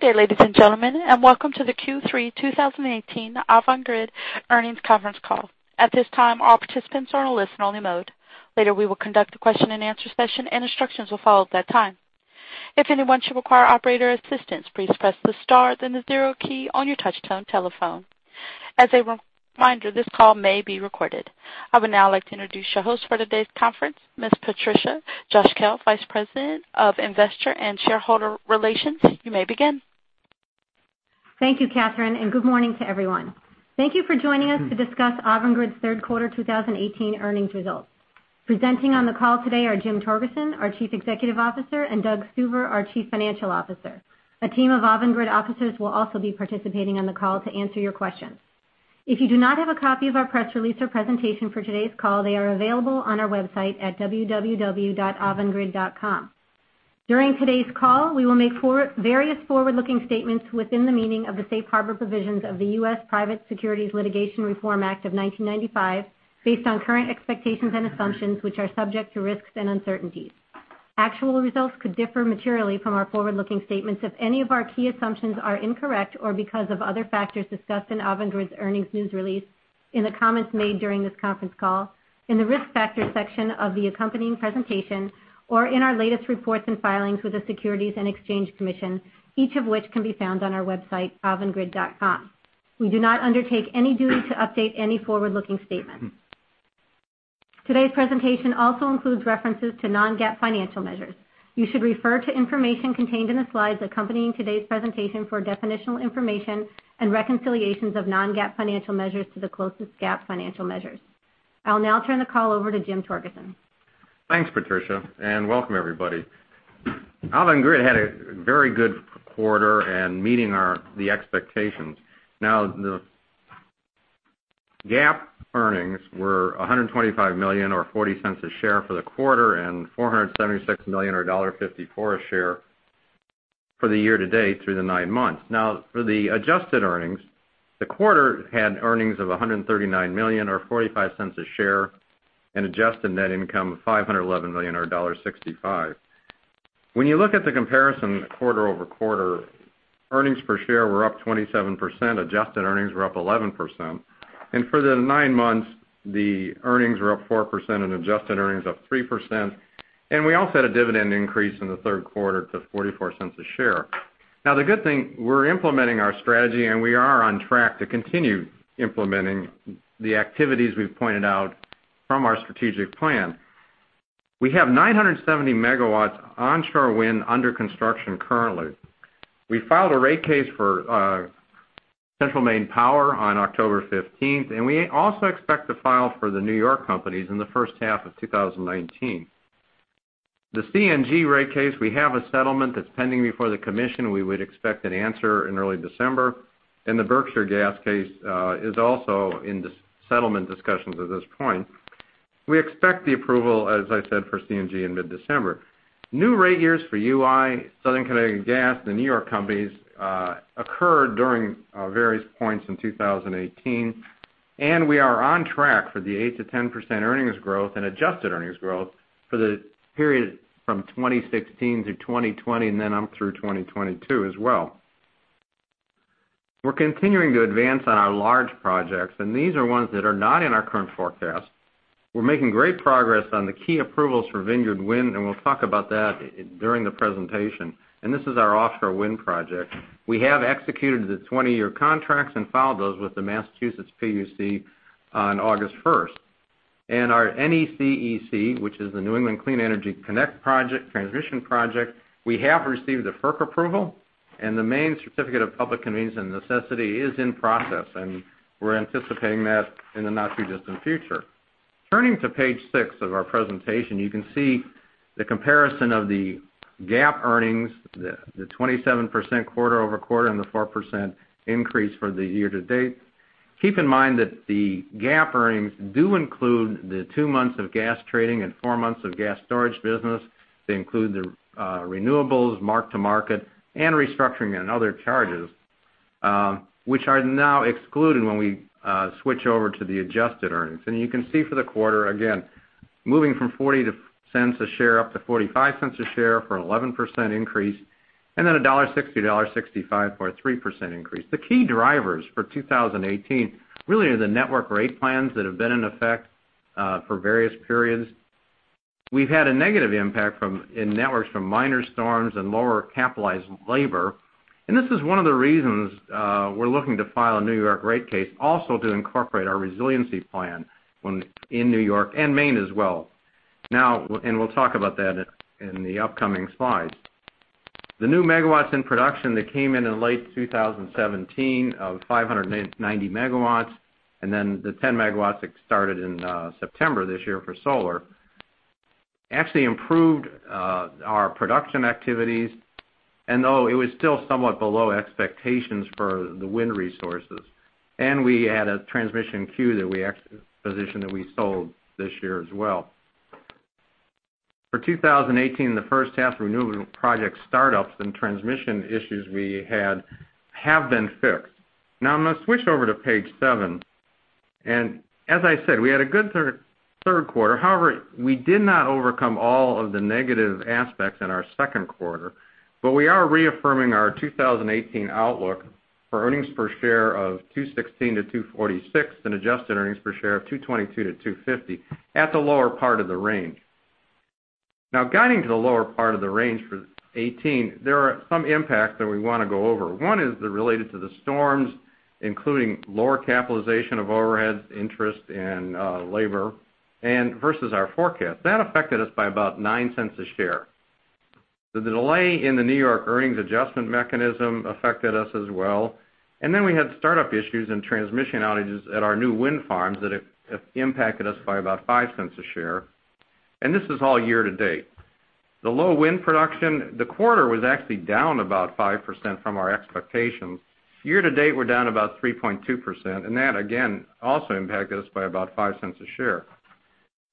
Good day, ladies and gentlemen, and welcome to the Q3 2018 Avangrid Earnings Conference Call. At this time, all participants are in listen-only mode. Later, we will conduct a question and answer session, and instructions will follow at that time. If anyone should require operator assistance, please press the star then the zero key on your touchtone telephone. As a reminder, this call may be recorded. I would now like to introduce your host for today's conference, Patricia Cosgel, Vice President of Investor and Shareholder Relations. You may begin. Thank you, Catherine, and good morning to everyone. Thank you for joining us to discuss Avangrid's third quarter 2018 earnings results. Presenting on the call today are Jim Torgerson, our Chief Executive Officer, and Doug Stuver, our Chief Financial Officer. A team of Avangrid officers will also be participating on the call to answer your questions. If you do not have a copy of our press release or presentation for today's call, they are available on our website at www.avangrid.com. During today's call, we will make various forward-looking statements within the meaning of the Safe Harbor provisions of the U.S. Private Securities Litigation Reform Act of 1995 based on current expectations and assumptions, which are subject to risks and uncertainties. Actual results could differ materially from our forward-looking statements if any of our key assumptions are incorrect or because of other factors discussed in Avangrid's earnings news release, in the comments made during this conference call, in the risk factor section of the accompanying presentation, or in our latest reports and filings with the Securities and Exchange Commission, each of which can be found on our website, avangrid.com. We do not undertake any duty to update any forward-looking statement. Today's presentation also includes references to non-GAAP financial measures. You should refer to information contained in the slides accompanying today's presentation for definitional information and reconciliations of non-GAAP financial measures to the closest GAAP financial measures. I'll now turn the call over to Jim Torgerson. Thanks, Patricia, and welcome everybody. Avangrid had a very good quarter and meeting the expectations. The GAAP earnings were $125 million or $0.40 a share for the quarter and $476 million or $1.54 a share for the year to date through the nine months. For the adjusted earnings, the quarter had earnings of $139 million or $0.45 a share, and adjusted net income of $511 million or $1.65. When you look at the comparison quarter-over-quarter, earnings per share were up 27%, adjusted earnings were up 11%, and for the nine months, the earnings were up 4% and adjusted earnings up 3%, and we also had a dividend increase in the third quarter to $0.44 a share. The good thing, we're implementing our strategy, and we are on track to continue implementing the activities we've pointed out from our strategic plan. We have 970 megawatts onshore wind under construction currently. We filed a rate case for Central Maine Power on October 15th. We also expect to file for the New York companies in the first half of 2019. The CNG rate case, we have a settlement that's pending before the commission. We would expect an answer in early December. The Berkshire Gas case is also in the settlement discussions at this point. We expect the approval, as I said, for CNG in mid-December. New rate years for UI, Southern Connecticut Gas, the New York companies, occurred during various points in 2018. We are on track for the 8%-10% earnings growth and adjusted earnings growth for the period from 2016 to 2020, then on through 2022 as well. We're continuing to advance on our large projects, and these are ones that are not in our current forecast. We're making great progress on the key approvals for Vineyard Wind, and we'll talk about that during the presentation. This is our offshore wind project. We have executed the 20-year contracts and filed those with the Massachusetts PUC on August 1st. Our NECEC, which is the New England Clean Energy Connect transmission project, we have received the FERC approval. The Maine certificate of public convenience and necessity is in process, and we're anticipating that in the not-too-distant future. Turning to page six of our presentation, you can see the comparison of the GAAP earnings, the 27% quarter-over-quarter, and the 4% increase for the year to date. Keep in mind that the GAAP earnings do include the two months of gas trading and four months of gas storage business. They include the renewables mark-to-market and restructuring and other charges, which are now excluded when we switch over to the adjusted earnings. You can see for the quarter, again, moving from $0.40 a share up to $0.45 a share for an 11% increase, then $1.60 to $1.65 for a 3% increase. The key drivers for 2018 really are the network rate plans that have been in effect for various periods. We've had a negative impact in networks from minor storms and lower capitalized labor. This is one of the reasons we're looking to file a New York rate case, also to incorporate our resiliency plan in New York and Maine as well. We'll talk about that in the upcoming slides. The new megawatts in production that came in in late 2017 of 590 megawatts, then the 10 megawatts that started in September this year for solar, actually improved our production activities, though it was still somewhat below expectations for the wind resources. We had a transmission queue that we positioned, that we sold this year as well. For 2018, the first half renewable project startups and transmission issues we had have been fixed. I'm going to switch over to page seven. As I said, we had a good third quarter. We did not overcome all of the negative aspects in our second quarter, but we are reaffirming our 2018 outlook for earnings per share of $2.16-$2.46, and adjusted earnings per share of $2.22-$2.50, at the lower part of the range. Guiding to the lower part of the range for 2018, there are some impacts that we want to go over. One is related to the storms, including lower capitalization of overhead interest and labor, versus our forecast. That affected us by about $0.09 a share. The delay in the New York earnings adjustment mechanism affected us as well. We had startup issues and transmission outages at our new wind farms that have impacted us by about $0.05 a share. This is all year-to-date. The low wind production, the quarter was actually down about 5% from our expectations. Year-to-date, we're down about 3.2%, also impacted us by about $0.05 a share.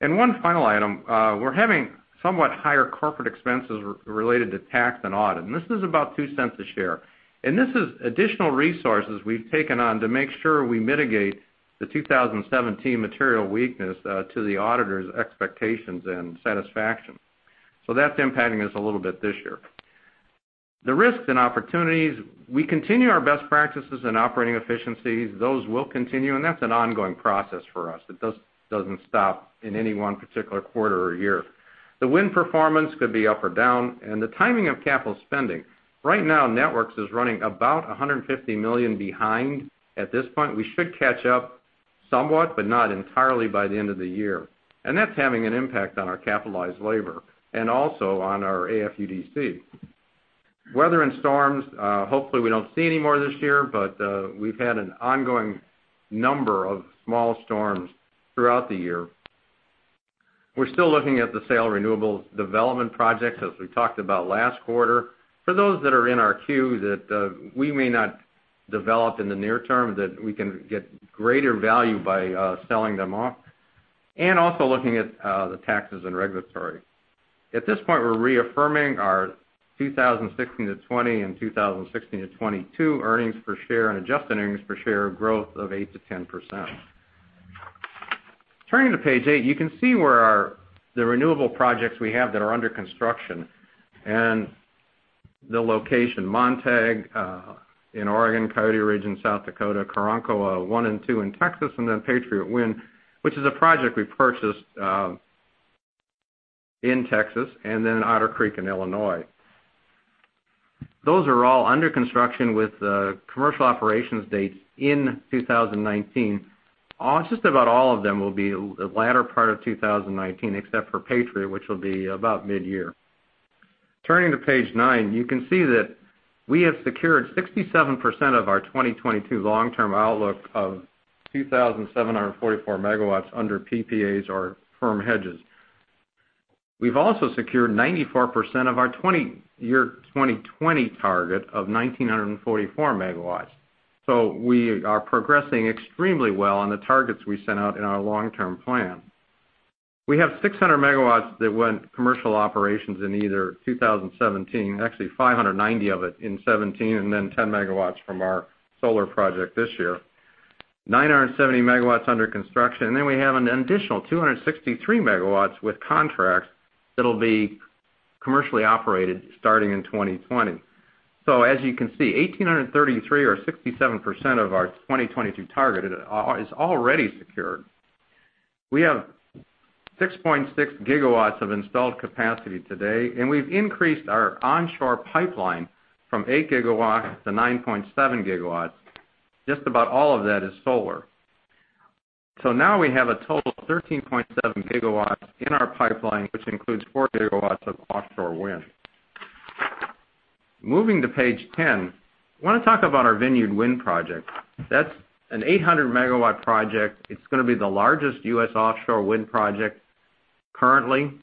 One final item, we're having somewhat higher corporate expenses related to tax and audit, this is about $0.02 a share. This is additional resources we've taken on to make sure we mitigate the 2017 material weakness to the auditors' expectations and satisfaction. That's impacting us a little bit this year. The risks and opportunities, we continue our best practices and operating efficiencies. Those will continue, that's an ongoing process for us. It doesn't stop in any one particular quarter or year. The wind performance could be up or down, and the timing of capital spending. Right now, Networks is running about $150 million behind. At this point, we should catch up somewhat, but not entirely by the end of the year, that's having an impact on our capitalized labor and also on our AFUDC. Weather and storms, hopefully, we don't see any more this year, but we've had an ongoing number of small storms throughout the year. We're still looking at the sale of renewable development projects, as we talked about last quarter, for those that are in our queue that we may not develop in the near term, that we can get greater value by selling them off, looking at the taxes and regulatory. At this point, we're reaffirming our 2016 to 2020 and 2016 to 2022 EPS and adjusted EPS growth of 8%-10%. Turning to page 8, you can see where the renewable projects we have that are under construction and the location, Montague in Oregon, Coyote Ridge Wind Farm in South Dakota, Karankawa I and II in Texas, Patriot Wind Farm, which is a project we purchased in Texas, Otter Creek Wind Farm in Illinois. Those are all under construction with commercial operations dates in 2019. Just about all of them will be the latter part of 2019, except for Patriot Wind Farm, which will be about mid-year. Turning to page 9, you can see that we have secured 67% of our 2022 long-term outlook of 2,744 megawatts under PPAs or firm hedges. We've also secured 94% of our year 2020 target of 1,944 megawatts. We are progressing extremely well on the targets we sent out in our long-term plan. We have 600 megawatts that went commercial operations in either 2017, actually 590 of it in 2017, 10 megawatts from our solar project this year. 970 megawatts under construction, we have an additional 263 megawatts with contracts that'll be commercially operated starting in 2020. As you can see, 1,833 or 67% of our 2022 target is already secured. We have 6.6 gigawatts of installed capacity today. We've increased our onshore pipeline from eight gigawatts to 9.7 gigawatts. Just about all of that is solar. Now we have a total of 13.7 gigawatts in our pipeline, which includes four gigawatts of offshore wind. Moving to page 10, I want to talk about our Vineyard Wind project. That's an 800-megawatt project. It's going to be the largest U.S. offshore wind project currently.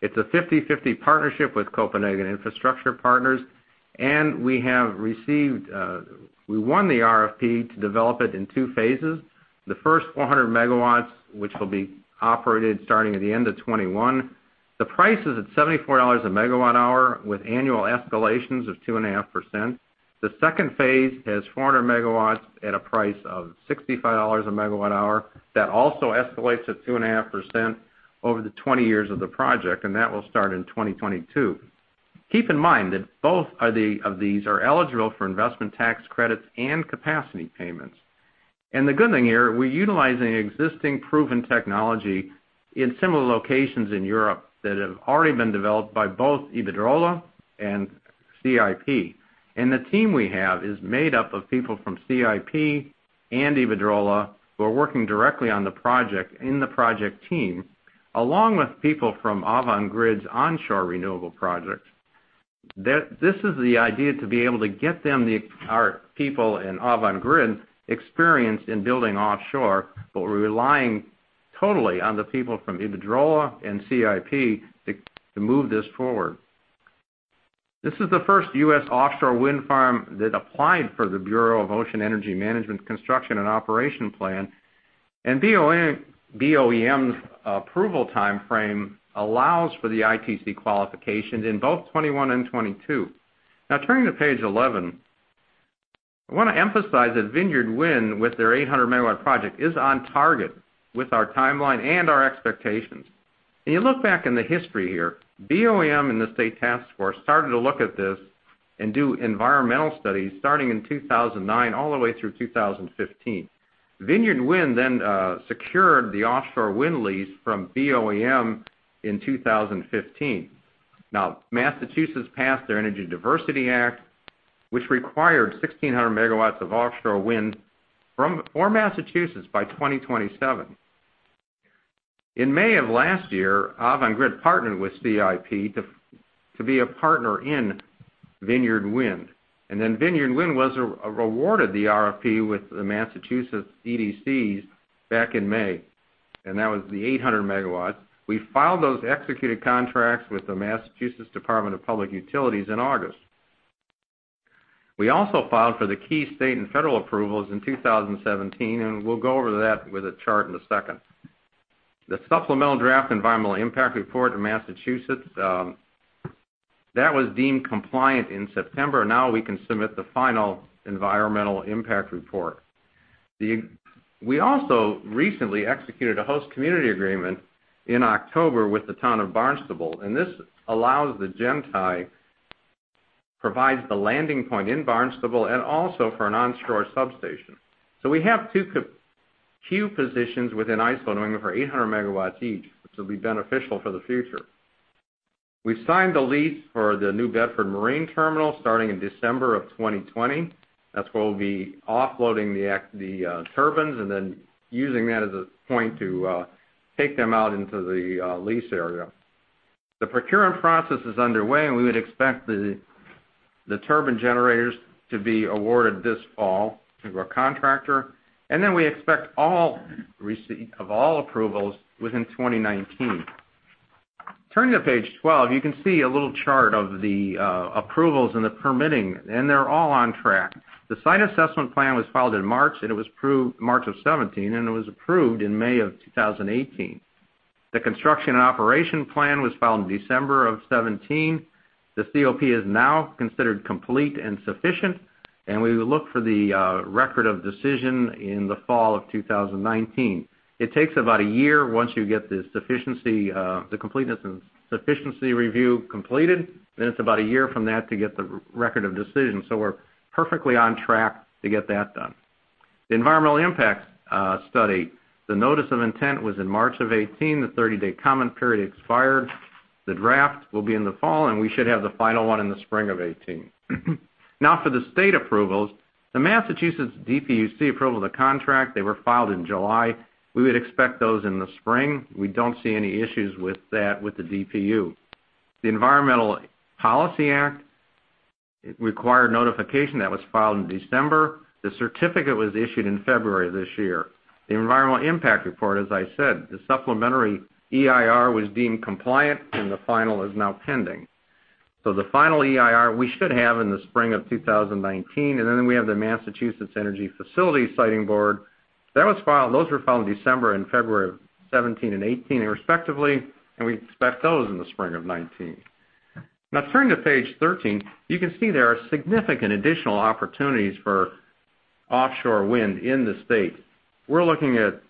It's a 50/50 partnership with Copenhagen Infrastructure Partners, and we won the RFP to develop it in two phases. The first 400 megawatts, which will be operated starting at the end of 2021, the price is at $74 a megawatt-hour with annual escalations of 2.5%. The second phase has 400 megawatts at a price of $65 a megawatt-hour. That also escalates at 2.5% over the 20 years of the project. That will start in 2022. Keep in mind that both of these are eligible for investment tax credits and capacity payments. The good thing here, we're utilizing existing proven technology in similar locations in Europe that have already been developed by both Iberdrola and CIP. The team we have is made up of people from CIP and Iberdrola, who are working directly on the project in the project team, along with people from Avangrid's onshore renewable projects. This is the idea to be able to get them, our people in Avangrid, experienced in building offshore, but relying totally on the people from Iberdrola and CIP to move this forward. This is the first U.S. offshore wind farm that applied for the Bureau of Ocean Energy Management Construction and Operation Plan. BOEM's approval timeframe allows for the ITC qualifications in both 2021 and 2022. Turning to page 11, I want to emphasize that Vineyard Wind, with their 800-megawatt project, is on target with our timeline and our expectations. You look back in the history here, BOEM and the state task force started to look at this and do environmental studies starting in 2009 all the way through 2015. Vineyard Wind then secured the offshore wind lease from BOEM in 2015. Massachusetts passed their Energy Diversity Act, which required 1,600 megawatts of offshore wind for Massachusetts by 2027. In May of last year, Avangrid partnered with CIP to be a partner in Vineyard Wind. Vineyard Wind was awarded the RFP with the Massachusetts EDCs back in May. That was the 800 megawatts. We filed those executed contracts with the Massachusetts Department of Public Utilities in August. We also filed for the key state and federal approvals in 2017. We'll go over that with a chart in a second. The supplemental draft environmental impact report in Massachusetts, that was deemed compliant in September. We can submit the final environmental impact report. We also recently executed a host community agreement in October with the town of Barnstable. This allows the Gen-Tie, provides the landing point in Barnstable and also for an onshore substation. We have two queue positions within ISO New England for 800 megawatts each, which will be beneficial for the future. We signed the lease for the New Bedford Marine Terminal starting in December of 2020. That's where we'll be offloading the turbines and then using that as a point to take them out into the lease area. We would expect the turbine generators to be awarded this fall to a contractor. We expect receipt of all approvals within 2019. Turning to page 12, you can see a little chart of the approvals and the permitting, and they're all on track. The site assessment plan was filed in March, and it was approved March of 2017, and it was approved in May of 2018. The construction and operation plan was filed in December of 2017. The COP is now considered complete and sufficient. We would look for the record of decision in the fall of 2019. It takes about a year once you get the completeness and sufficiency review completed, then it's about a year from that to get the record of decision. We're perfectly on track to get that done. The environmental impact study, the notice of intent was in March of 2018. The 30-day comment period expired. The draft will be in the fall. We should have the final one in the spring of 2018. For the state approvals, the Massachusetts DPU approval of the contract, they were filed in July. We would expect those in the spring. We don't see any issues with that with the DPU. The Environmental Policy Act required notification that was filed in December. The certificate was issued in February of this year. The environmental impact report, as I said, the supplementary EIR was deemed compliant. The final is now pending. The final EIR we should have in the spring of 2019. We have the Massachusetts Energy Facilities Siting Board. Those were filed in December and February of 2017 and 2018, respectively. We expect those in the spring of 2019. Turning to page 13, you can see there are significant additional opportunities for offshore wind in the state. We're looking at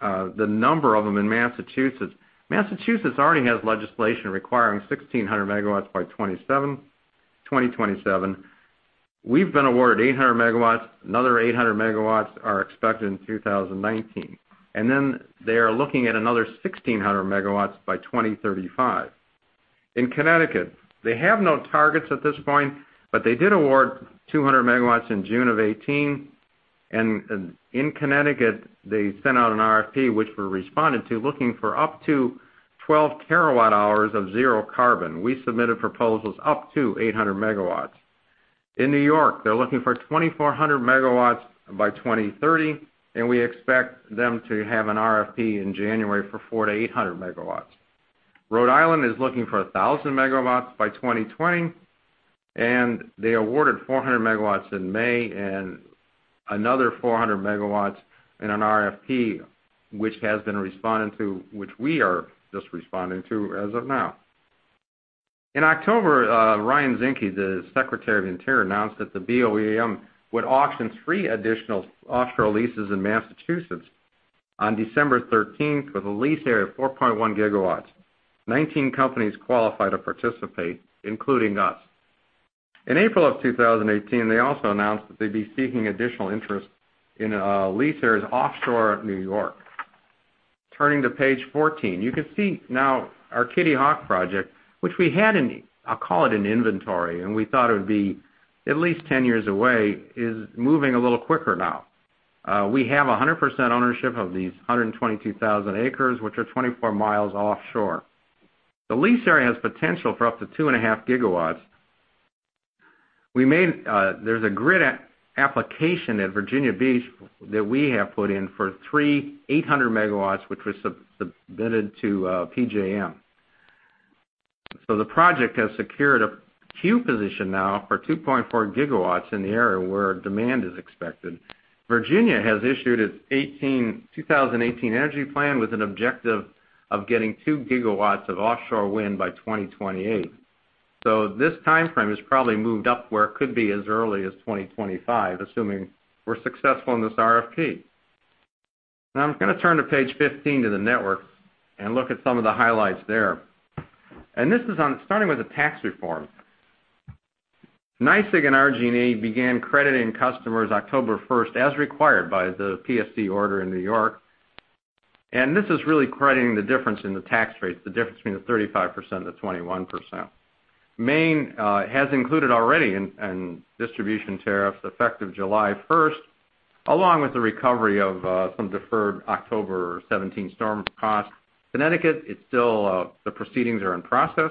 the number of them in Massachusetts. Massachusetts already has legislation requiring 1,600 megawatts by 2027. We've been awarded 800 megawatts. Another 800 megawatts are expected in 2019. They are looking at another 1,600 megawatts by 2035. In Connecticut, they have no targets at this point. They did award 200 megawatts in June of 2018. In Connecticut, they sent out an RFP, which we responded to, looking for up to 12 terawatt-hours of zero carbon. We submitted proposals up to 800 megawatts. In New York, they're looking for 2,400 megawatts by 2030. We expect them to have an RFP in January for 4-800 megawatts. Rhode Island is looking for 1,000 megawatts by 2020. They awarded 400 megawatts in May and another 400 megawatts in an RFP, which has been responded to, which we are just responding to as of now. In October, Ryan Zinke, the Secretary of the Interior, announced that the BOEM would auction three additional offshore leases in Massachusetts on December 13th with a lease area of 4.1 gigawatts. 19 companies qualified to participate, including us. In April of 2018, they also announced that they'd be seeking additional interest in a lease area offshore New York. Turning to page 14, you can see now our Kitty Hawk project, which we had in, I'll call it in inventory, and we thought it would be at least 10 years away, is moving a little quicker now. We have 100% ownership of these 122,000 acres, which are 24 miles offshore. The lease area has potential for up to 2.5 gigawatts. There's a grid application at Virginia Beach that we have put in for three 800 megawatts, which was submitted to PJM. The project has secured a queue position now for 2.4 gigawatts in the area where demand is expected. Virginia has issued its 2018 energy plan with an objective of getting two gigawatts of offshore wind by 2028. This timeframe has probably moved up where it could be as early as 2025, assuming we're successful in this RFP. I'm going to turn to page 15 to the network and look at some of the highlights there. This is starting with the tax reform. NYSEG and RG&E began crediting customers October 1st, as required by the PSC order in New York. This is really crediting the difference in the tax rates, the difference between the 35%-21%. Maine has included already in distribution tariffs effective July 1st, along with the recovery of some deferred October 17 storm costs. Connecticut, the proceedings are in process.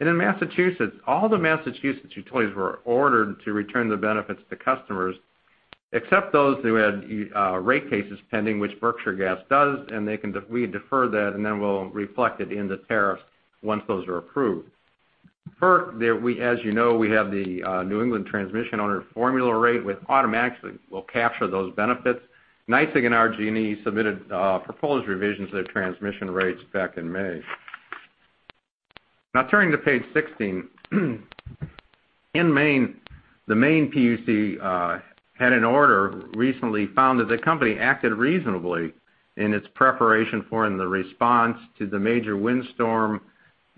In Massachusetts, all the Massachusetts utilities were ordered to return the benefits to customers, except those who had rate cases pending, which Berkshire Gas does, and we defer that and then we'll reflect it in the tariffs once those are approved. FERC, as you know, we have the New England transmission owner formula rate, which automatically will capture those benefits. NYSEG and RG&E submitted proposed revisions to their transmission rates back in May. Turning to page 16. In Maine, the Maine PUC had an order recently found that the company acted reasonably in its preparation for and the response to the major windstorm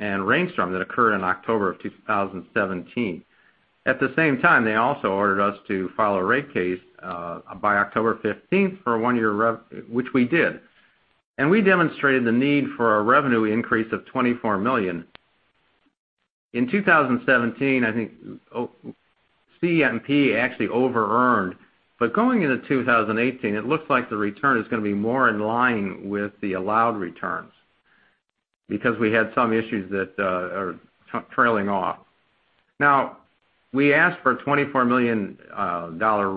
and rainstorm that occurred in October of 2017. At the same time, they also ordered us to file a rate case by October 15th for a one-year rev, which we did. We demonstrated the need for a revenue increase of $24 million. In 2017, I think CMP actually over-earned. Going into 2018, it looks like the return is going to be more in line with the allowed returns, because we had some issues that are trailing off. We asked for a $24 million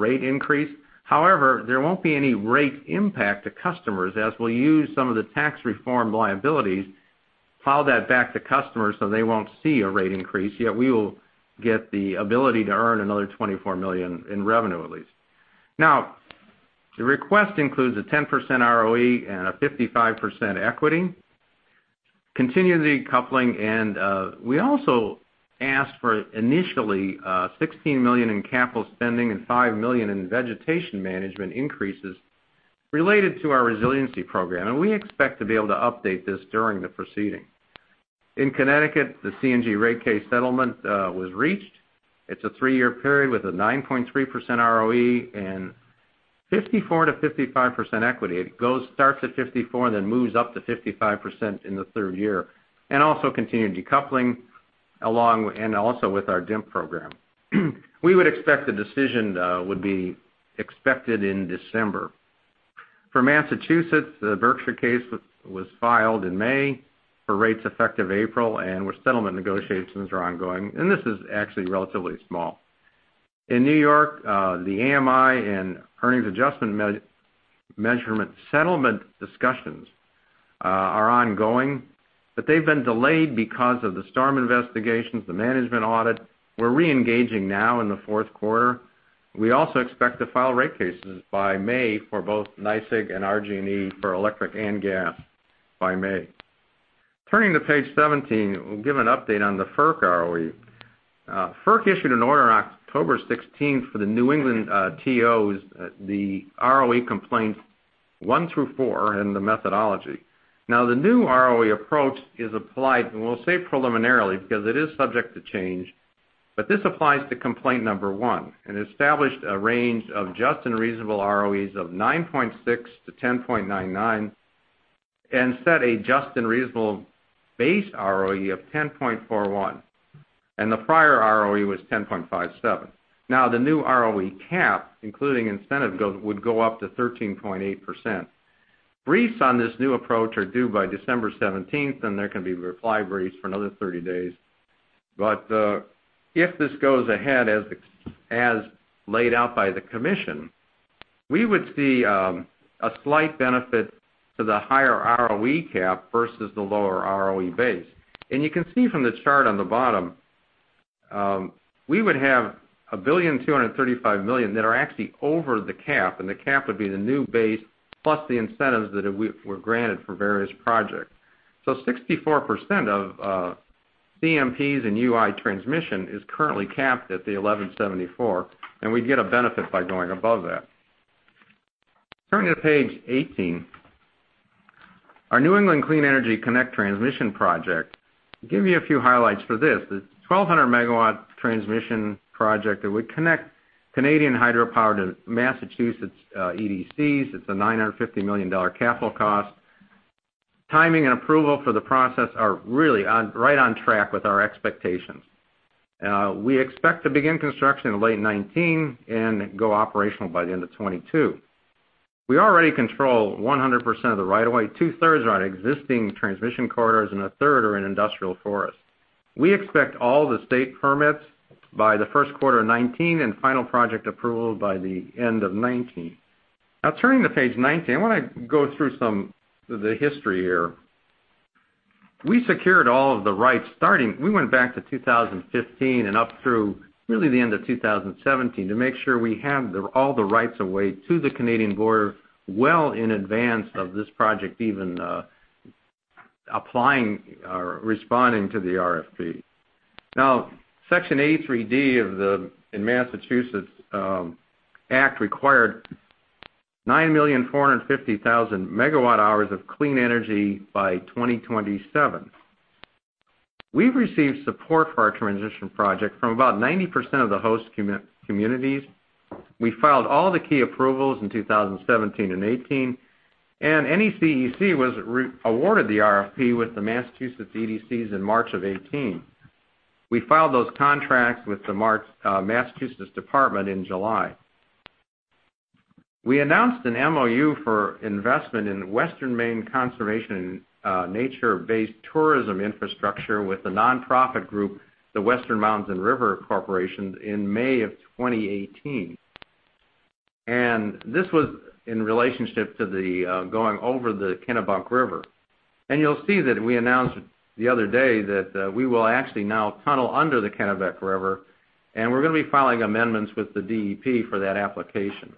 rate increase. However, there won't be any rate impact to customers, as we'll use some of the tax reform liabilities, file that back to customers so they won't see a rate increase, yet we will get the ability to earn another $24 million in revenue at least. The request includes a 10% ROE and a 55% equity, continued decoupling, and we also asked for initially, $16 million in capital spending and $5 million in vegetation management increases related to our resiliency program. We expect to be able to update this during the proceeding. In Connecticut, the CNG rate case settlement was reached. It's a three-year period with a 9.3% ROE and 54%-55% equity. It starts at 54% and then moves up to 55% in the third year, and also continued decoupling, and also with our DIMP program. We would expect the decision would be expected in December. For Massachusetts, the Berkshire case was filed in May for rates effective April, settlement negotiations are ongoing. This is actually relatively small. In New York, the AMI and earnings adjustment measurement settlement discussions are ongoing, they've been delayed because of the storm investigations, the management audit. We're re-engaging now in the fourth quarter. We also expect to file rate cases by May for both NYSEG and RG&E for electric and gas by May. Turning to page 17, we'll give an update on the FERC ROE. FERC issued an order on October 16th for the New England TOs, the ROE complaints one through four and the methodology. The new ROE approach is applied, we'll say preliminarily because it is subject to change, this applies to complaint number 1 and established a range of just and reasonable ROEs of 9.6%-10.99%, and set a just and reasonable base ROE of 10.41%. The prior ROE was 10.57%. The new ROE cap, including incentive would go up to 13.8%. Briefs on this new approach are due by December 17th, there can be reply briefs for another 30 days. If this goes ahead as laid out by the commission, we would see a slight benefit to the higher ROE cap versus the lower ROE base. You can see from the chart on the bottom, we would have $1.235 billion that are actually over the cap, the cap would be the new base plus the incentives that were granted for various projects. 64% of CMP's and UI transmission is currently capped at the 11.74%, we'd get a benefit by going above that. Turning to page 18, our New England Clean Energy Connect transmission project. Give you a few highlights for this. This 1,200 MW transmission project that would connect Canadian hydropower to Massachusetts EDCs. It's a $950 million capital cost. Timing and approval for the process are really right on track with our expectations. We expect to begin construction in late 2019 and go operational by the end of 2022. We already control 100% of the right of way. Two-thirds are on existing transmission corridors and a third are in industrial forests. We expect all the state permits by the first quarter of 2019 and final project approval by the end of 2019. Turning to page 19, I want to go through some of the history here. We went back to 2015 and up through really the end of 2017 to make sure we have all the rights of way to the Canadian border well in advance of this project, even applying or responding to the RFP. Section 83D in Massachusetts Act required 9,450,000 MWh of clean energy by 2027. We've received support for our transition project from about 90% of the host communities. We filed all the key approvals in 2017 and 2018, and NECEC was awarded the RFP with the Massachusetts EDCs in March of 2018. We filed those contracts with the Massachusetts Department of Public Utilities in July. We announced an MOU for investment in Western Maine conservation nature-based tourism infrastructure with the nonprofit group, the Western Mountains & Rivers Corporation, in May of 2018. This was in relationship to the going over the Kennebec River. You'll see that we announced the other day that we will actually now tunnel under the Kennebec River, and we're going to be filing amendments with the Department of Environmental Protection for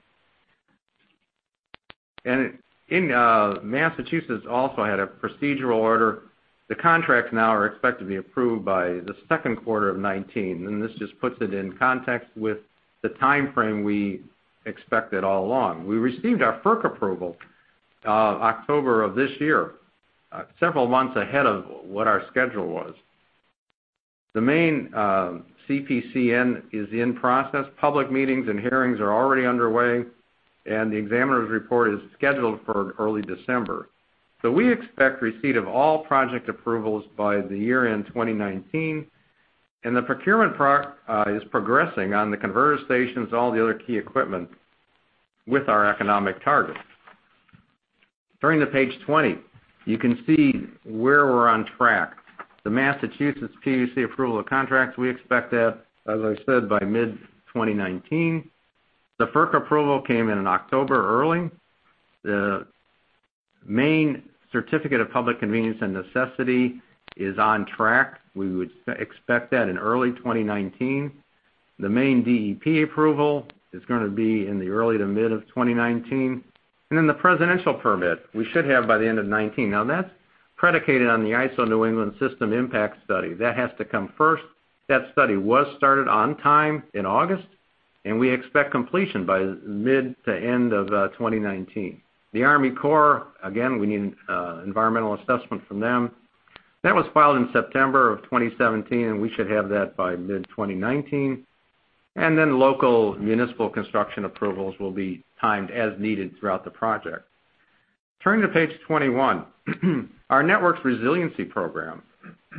that application. Massachusetts also had a procedural order. The contracts now are expected to be approved by the second quarter of 2019, and this just puts it in context with the timeframe we expected all along. We received our FERC approval October of this year, several months ahead of what our schedule was. The Maine CPCN is in process. Public meetings and hearings are already underway, and the examiner's report is scheduled for early December. So we expect receipt of all project approvals by the year-end 2019, and the procurement part is progressing on the converter stations and all the other key equipment with our economic targets. Turning to page 20, you can see where we're on track. The Massachusetts PUC approval of contracts, we expect that, as I said, by mid-2019. The FERC approval came in in October early. The Maine Certificate of Public Convenience and Necessity is on track. We would expect that in early 2019. The Maine Department of Environmental Protection approval is going to be in the early to mid-2019. The presidential permit, we should have by the end of 2019. That's predicated on the ISO New England System Impact Study. That has to come first. That study was started on time in August, and we expect completion by mid to end of 2019. The U.S. Army Corps of Engineers, again, we need an environmental assessment from them. That was filed in September of 2017, and we should have that by mid-2019. Local municipal construction approvals will be timed as needed throughout the project. Turning to page 21, our networks resiliency program.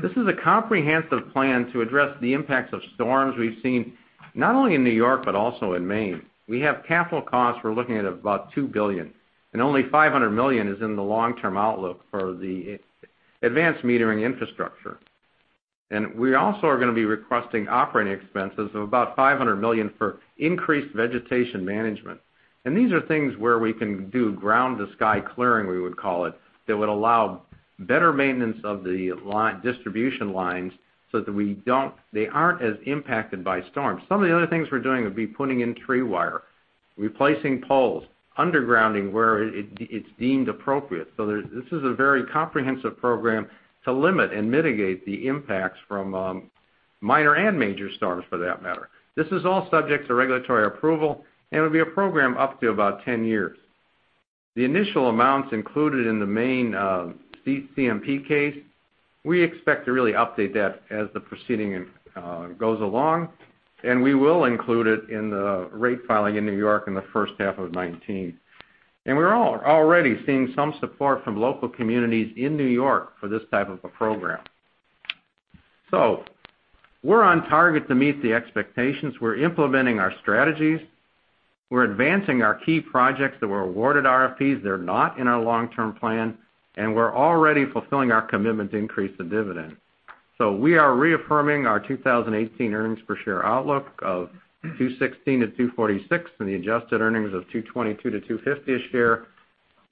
This is a comprehensive plan to address the impacts of storms we've seen not only in New York but also in Maine. We have capital costs, we're looking at about $2 billion, and only $500 million is in the long-term outlook for the advanced metering infrastructure. We also are going to be requesting operating expenses of about $500 million for increased vegetation management. These are things where we can do ground-to-sky clearing, we would call it, that would allow better maintenance of the distribution lines so that they aren't as impacted by storms. Some of the other things we're doing would be putting in tree wire, replacing poles, undergrounding where it's deemed appropriate. So this is a very comprehensive program to limit and mitigate the impacts from minor and major storms, for that matter. This is all subject to regulatory approval, and it'll be a program up to about 10 years. The initial amounts included in the main CMP case, we expect to really update that as the proceeding goes along, and we will include it in the rate filing in New York in the first half of 2019. We're already seeing some support from local communities in New York for this type of a program. We're on target to meet the expectations. We're implementing our strategies. We're advancing our key projects that were awarded RFPs that are not in our long-term plan, and we're already fulfilling our commitment to increase the dividend. We are reaffirming our 2018 earnings per share outlook of $2.16-$2.46, and the adjusted earnings of $2.22-$2.50 a share,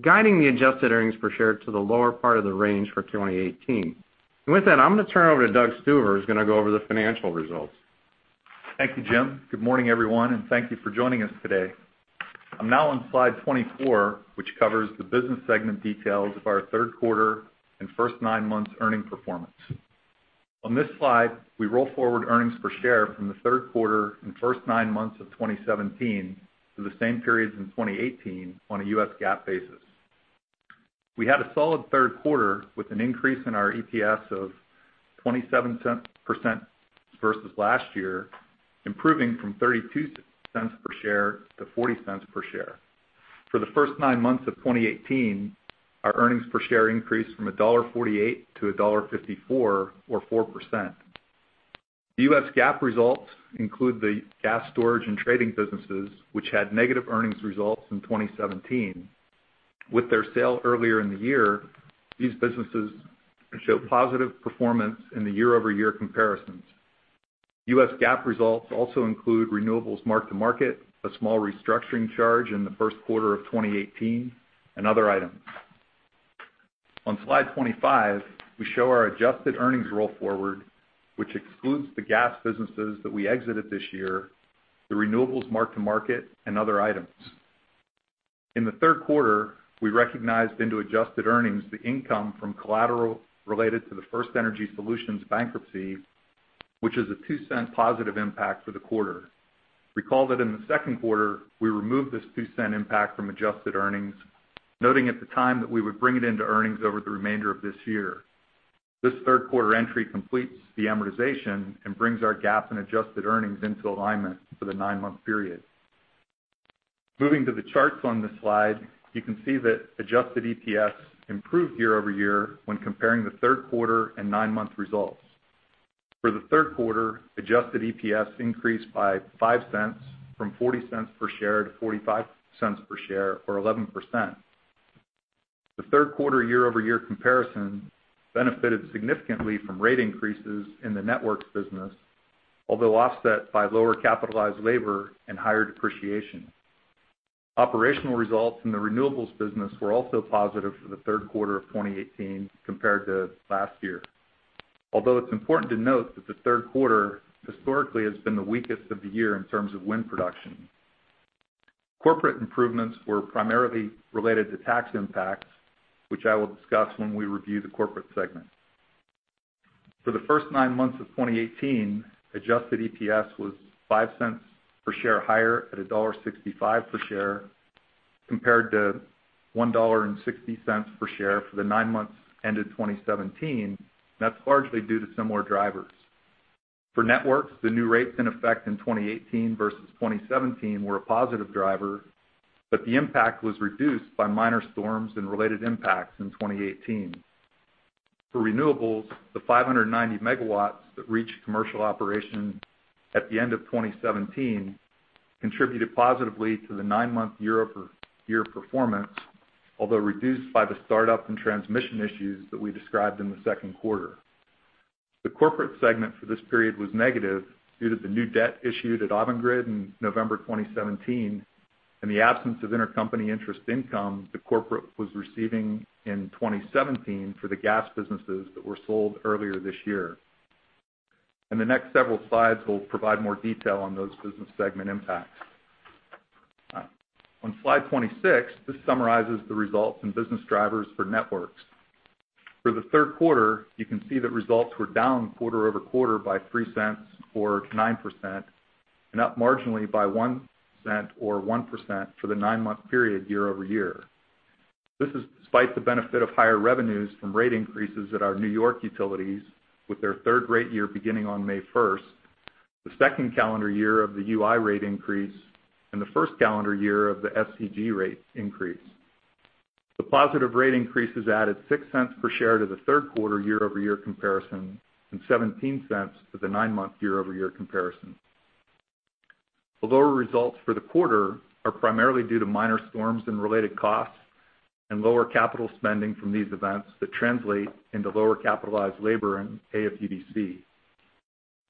guiding the adjusted earnings per share to the lower part of the range for 2018. With that, I'm going to turn it over to Douglas Stuver, who's going to go over the financial results. Thank you, Jim. Good morning, everyone, thank you for joining us today. I'm now on slide 24, which covers the business segment details of our third quarter and first nine months earning performance. On this slide, we roll forward earnings per share from the third quarter and first nine months of 2017 to the same periods in 2018 on a U.S. GAAP basis. We had a solid third quarter with an increase in our EPS of 27% versus last year, improving from $0.32 per share to $0.40 per share. For the first nine months of 2018, our earnings per share increased from $1.48-$1.54 or 4%. The U.S. GAAP results include the gas storage and trading businesses, which had negative earnings results in 2017. With their sale earlier in the year, these businesses show positive performance in the year-over-year comparisons. GAAP results also include renewables mark-to-market, a small restructuring charge in the first quarter of 2018, and other items. On slide 25, we show our adjusted earnings roll forward, which excludes the gas businesses that we exited this year, the renewables mark-to-market, and other items. In the third quarter, we recognized into adjusted earnings the income from collateral related to the FirstEnergy Solutions bankruptcy, which is a $0.02 positive impact for the quarter. Recall that in the second quarter, we removed this $0.02 impact from adjusted earnings, noting at the time that we would bring it into earnings over the remainder of this year. This third quarter entry completes the amortization and brings our GAAP and adjusted earnings into alignment for the nine-month period. Moving to the charts on this slide, you can see that adjusted EPS improved year-over-year when comparing the third quarter and nine-month results. For the third quarter, adjusted EPS increased by $0.05 from $0.40 per share to $0.45 per share or 11%. The third quarter year-over-year comparison benefited significantly from rate increases in the networks business, although offset by lower capitalized labor and higher depreciation. Operational results in the renewables business were also positive for the third quarter of 2018 compared to last year. Corporate improvements were primarily related to tax impacts, which I will discuss when we review the corporate segment. For the first nine months of 2018, adjusted EPS was $0.05 per share higher at $1.65 per share, compared to $1.60 per share for the nine months ended 2017, that's largely due to similar drivers. For networks, the new rates in effect in 2018 versus 2017 were a positive driver. The impact was reduced by minor storms and related impacts in 2018. For renewables, the 590 megawatts that reached commercial operation at the end of 2017 contributed positively to the nine-month year-over-year performance, although reduced by the startup and transmission issues that we described in the second quarter. The corporate segment for this period was negative due to the new debt issued at Avangrid in November 2017 and the absence of intercompany interest income that corporate was receiving in 2017 for the gas businesses that were sold earlier this year. The next several slides, we'll provide more detail on those business segment impacts. On slide 26, this summarizes the results and business drivers for networks. For the third quarter, you can see that results were down quarter-over-quarter by $0.03 or 9%, and up marginally by $0.01 or 1% for the nine-month period year-over-year. This is despite the benefit of higher revenues from rate increases at our New York utilities with their third rate year beginning on May 1st, the second calendar year of the UI rate increase, and the first calendar year of the SCG rate increase. The positive rate increases added $0.06 per share to the third quarter year-over-year comparison and $0.17 to the nine-month year-over-year comparison. The lower results for the quarter are primarily due to minor storms and related costs and lower capital spending from these events that translate into lower capitalized labor and AFUDC.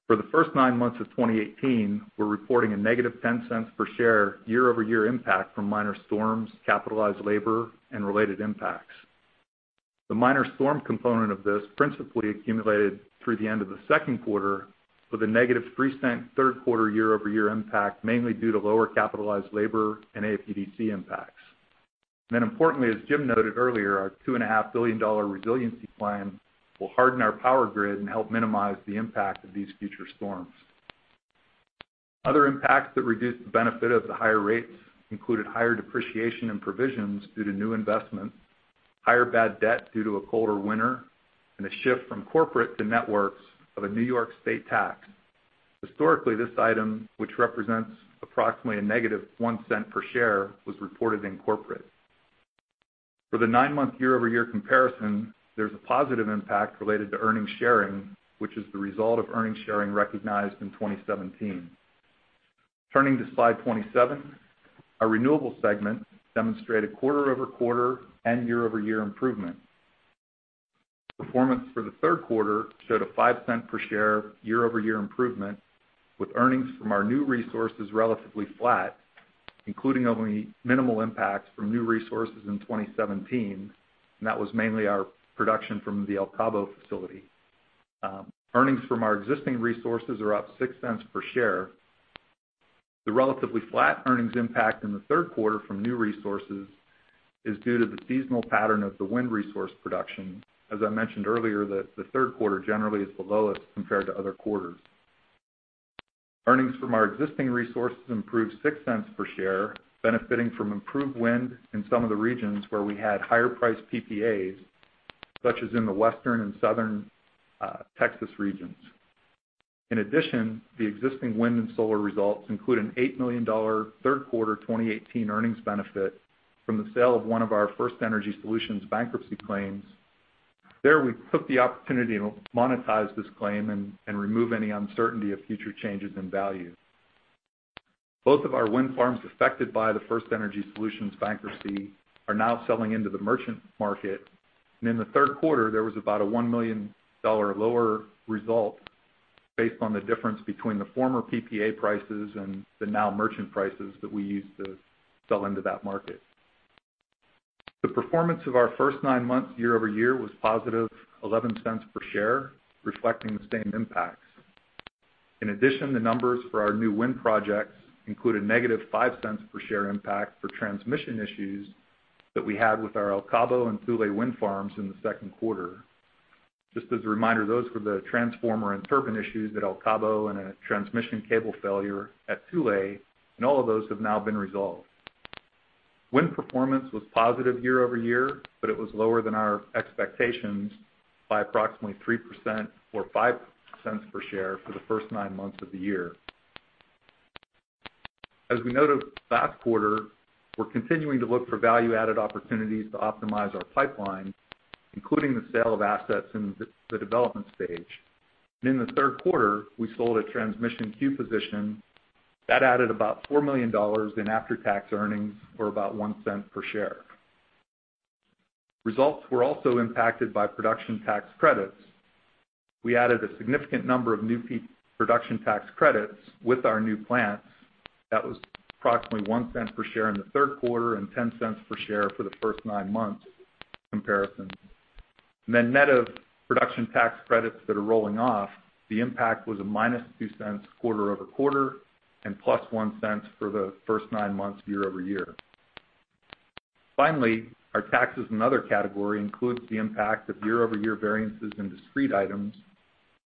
For the first nine months of 2018, we're reporting a negative $0.10 per share year-over-year impact from minor storms, capitalized labor, and related impacts. The minor storm component of this principally accumulated through the end of the second quarter with a negative $0.03 third quarter year-over-year impact, mainly due to lower capitalized labor and AFUDC impacts. Importantly, as Jim noted earlier, our $2.5 billion resiliency plan will harden our power grid and help minimize the impact of these future storms. Other impacts that reduced the benefit of the higher rates included higher depreciation and provisions due to new investments, higher bad debt due to a colder winter, and a shift from corporate to networks of a New York state tax. Historically, this item, which represents approximately a negative $0.01 per share, was reported in corporate. For the nine-month year-over-year comparison, there's a positive impact related to earnings sharing, which is the result of earnings sharing recognized in 2017. Turning to slide 27, our renewable segment demonstrated quarter-over-quarter and year-over-year improvement. Performance for the third quarter showed a $0.05 per share year-over-year improvement with earnings from our new resources relatively flat, including only minimal impacts from new resources in 2017, and that was mainly our production from the El Cabo facility. Earnings from our existing resources are up $0.06 per share. The relatively flat earnings impact in the third quarter from new resources is due to the seasonal pattern of the wind resource production. As I mentioned earlier, the third quarter generally is the lowest compared to other quarters. Earnings from our existing resources improved $0.06 per share, benefiting from improved wind in some of the regions where we had higher priced PPAs, such as in the Western and Southern Texas regions. In addition, the existing wind and solar results include an $8 million third quarter 2018 earnings benefit from the sale of one of our FirstEnergy Solutions bankruptcy claims. There we took the opportunity to monetize this claim and remove any uncertainty of future changes in value. Both of our wind farms affected by the FirstEnergy Solutions bankruptcy are now selling into the merchant market. In the third quarter, there was about a $1 million lower result based on the difference between the former PPA prices and the now merchant prices that we used to sell into that market. The performance of our first nine months year-over-year was positive $0.11 per share, reflecting the same impacts. In addition, the numbers for our new wind projects include a negative $0.05 per share impact for transmission issues that we had with our El Cabo and Tule wind farms in the second quarter. Just as a reminder, those were the transformer and turbine issues at El Cabo and a transmission cable failure at Tule, and all of those have now been resolved. Wind performance was positive year-over-year, but it was lower than our expectations by approximately 3% or $0.05 per share for the first nine months of the year. As we noted last quarter, we are continuing to look for value-added opportunities to optimize our pipeline, including the sale of assets in the development stage. In the third quarter, we sold a transmission queue position that added about $4 million in after-tax earnings or about $0.01 per share. Results were also impacted by production tax credits. We added a significant number of new production tax credits with our new plants. That was approximately $0.01 per share in the third quarter and $0.10 per share for the first nine months comparison. Net of production tax credits that are rolling off, the impact was a minus $0.02 quarter-over-quarter and plus $0.01 for the first nine months year-over-year. Finally, our taxes and other category includes the impact of year-over-year variances in discrete items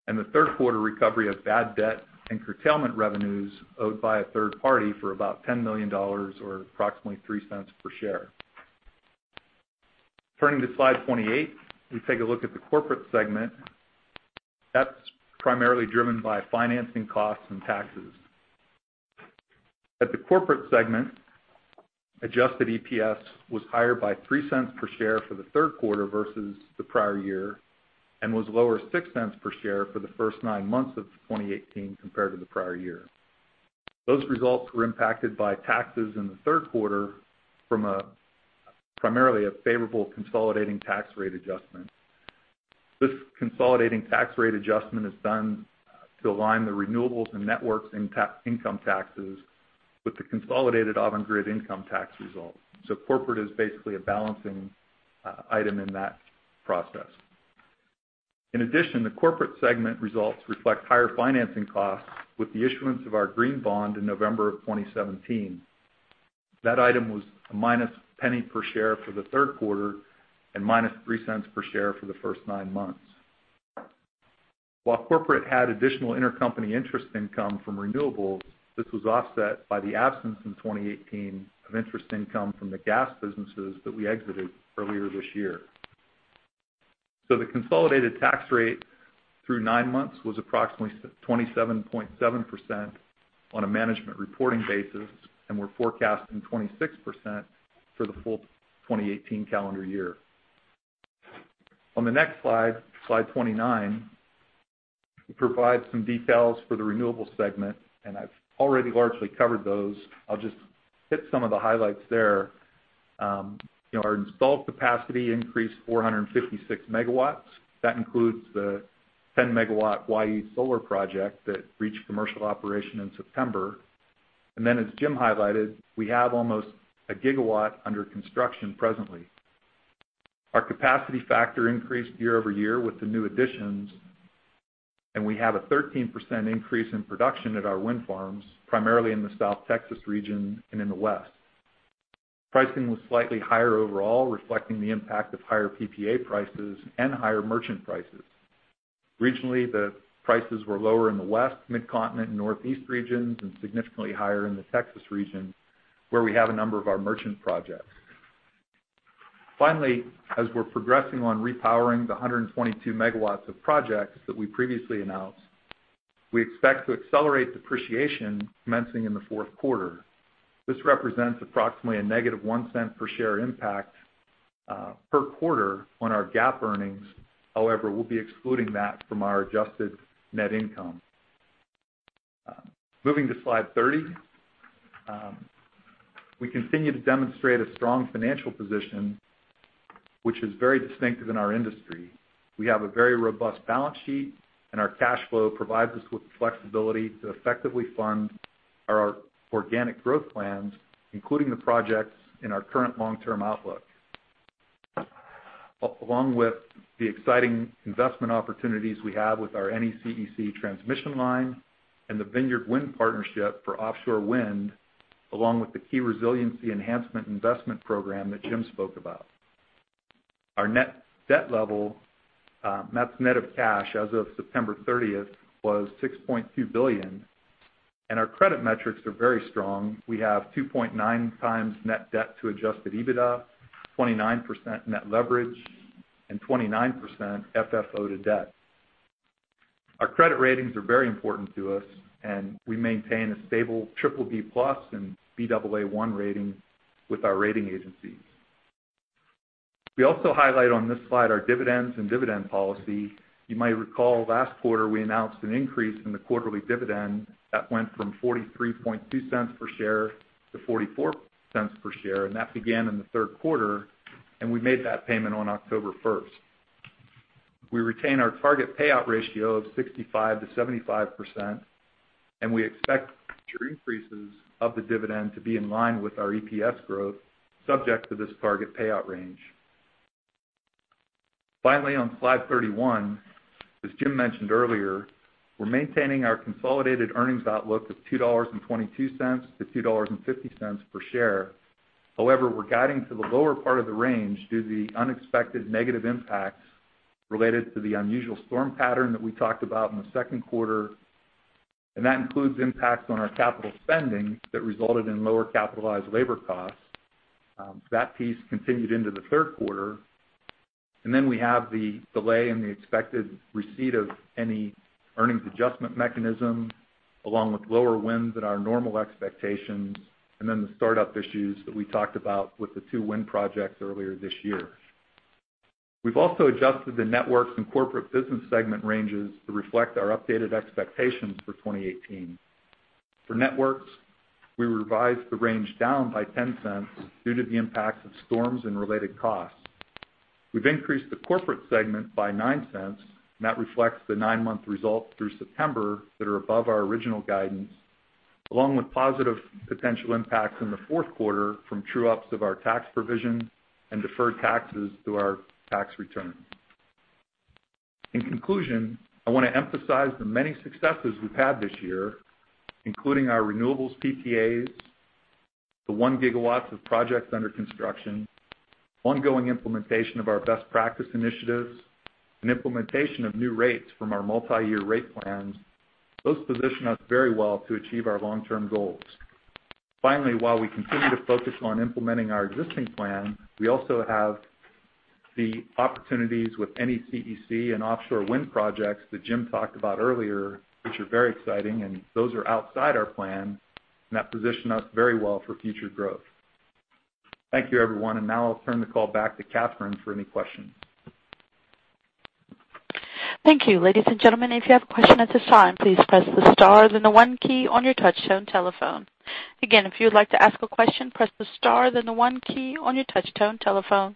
and the third quarter recovery of bad debt and curtailment revenues owed by a third party for about $10 million or approximately $0.03 per share. Turning to slide 28, we take a look at the corporate segment. That is primarily driven by financing costs and taxes. At the corporate segment, adjusted EPS was higher by $0.03 per share for the third quarter versus the prior year and was lower $0.06 per share for the first nine months of 2018 compared to the prior year. Those results were impacted by taxes in the third quarter from primarily a favorable consolidating tax rate adjustment. This consolidating tax rate adjustment is done to align the renewables and networks income taxes with the consolidated Avangrid income tax result. Corporate is basically a balancing item in that process. In addition, the corporate segment results reflect higher financing costs with the issuance of our green bond in November of 2017. That item was a minus $0.01 per share for the third quarter and minus $0.03 per share for the first nine months. While corporate had additional intercompany interest income from renewables, this was offset by the absence in 2018 of interest income from the gas businesses that we exited earlier this year. The consolidated tax rate through nine months was approximately 27.7% on a management reporting basis, and we're forecasting 26% for the full 2018 calendar year. On the next slide 29, we provide some details for the renewables segment, and I've already largely covered those. I'll just hit some of the highlights there. Our installed capacity increased 456 MW. That includes the 10 MW Waialua Solar project that reached commercial operation in September. Then, as Jim highlighted, we have almost a gigawatt under construction presently. Our capacity factor increased year-over-year with the new additions, and we have a 13% increase in production at our wind farms, primarily in the South Texas region and in the West. Pricing was slightly higher overall, reflecting the impact of higher PPA prices and higher merchant prices. Regionally, the prices were lower in the West, Midcontinent, and Northeast regions and significantly higher in the Texas region, where we have a number of our merchant projects. Finally, as we're progressing on repowering the 122 MW of projects that we previously announced, we expect to accelerate depreciation commencing in the fourth quarter. This represents approximately a negative $0.01 per share impact per quarter on our GAAP earnings. However, we'll be excluding that from our adjusted net income. Moving to slide 30, we continue to demonstrate a strong financial position, which is very distinctive in our industry. We have a very robust balance sheet, and our cash flow provides us with the flexibility to effectively fund our organic growth plans, including the projects in our current long-term outlook. Along with the exciting investment opportunities we have with our NECEC transmission line and the Vineyard Wind partnership for offshore wind, along with the key resiliency enhancement investment program that Jim spoke about. Our net debt level, that's net of cash as of September 30th, was $6.2 billion, and our credit metrics are very strong. We have 2.9 times net debt to adjusted EBITDA, 29% net leverage, and 29% FFO to debt. Our credit ratings are very important to us, and we maintain a stable BBB+ and Baa1 rating with our rating agencies. We also highlight on this slide our dividends and dividend policy. You might recall last quarter we announced an increase in the quarterly dividend that went from $0.432 per share to $0.44 per share, and that began in the third quarter, and we made that payment on October 1st. We retain our target payout ratio of 65%-75%, and we expect future increases of the dividend to be in line with our EPS growth, subject to this target payout range. Finally, on slide 31, as Jim mentioned earlier, we're maintaining our consolidated earnings outlook of $2.22-$2.50 per share. However, we're guiding to the lower part of the range due to the unexpected negative impacts related to the unusual storm pattern that we talked about in the second quarter. That includes impacts on our capital spending that resulted in lower capitalized labor costs. That piece continued into the third quarter. We have the delay in the expected receipt of any earnings adjustment mechanism, along with lower winds than our normal expectations. The startup issues that we talked about with the two wind projects earlier this year. We've also adjusted the networks and corporate business segment ranges to reflect our updated expectations for 2018. For networks, we revised the range down by $0.10 due to the impacts of storms and related costs. We've increased the corporate segment by $0.09, and that reflects the nine-month results through September that are above our original guidance, along with positive potential impacts in the fourth quarter from true ups of our tax provision and deferred taxes through our tax return. In conclusion, I want to emphasize the many successes we've had this year, including our renewables PPAs, the one gigawatts of projects under construction, ongoing implementation of our best practice initiatives, and implementation of new rates from our multi-year rate plans. Those position us very well to achieve our long-term goals. While we continue to focus on implementing our existing plan, we also have the opportunities with NECEC and offshore wind projects that Jim talked about earlier, which are very exciting, and those are outside our plan, and that position us very well for future growth. Thank you, everyone, and now I'll turn the call back to Catherine for any questions. Thank you. Ladies and gentlemen, if you have a question at this time, please press the star, then the one key on your touchtone telephone. Again, if you would like to ask a question, press the star, then the one key on your touchtone telephone.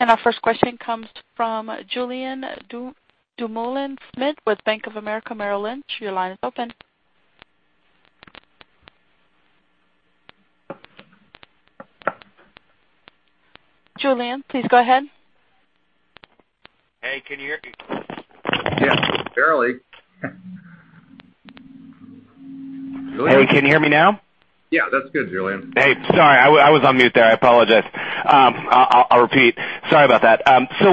Our first question comes from Julien Dumoulin-Smith with Bank of America Merrill Lynch. Your line is open. Julien, please go ahead. Hey, can you hear me? Yeah, barely. Hey, can you hear me now? Yeah, that's good, Julien. Hey, sorry, I was on mute there. I apologize. I'll repeat. Sorry about that.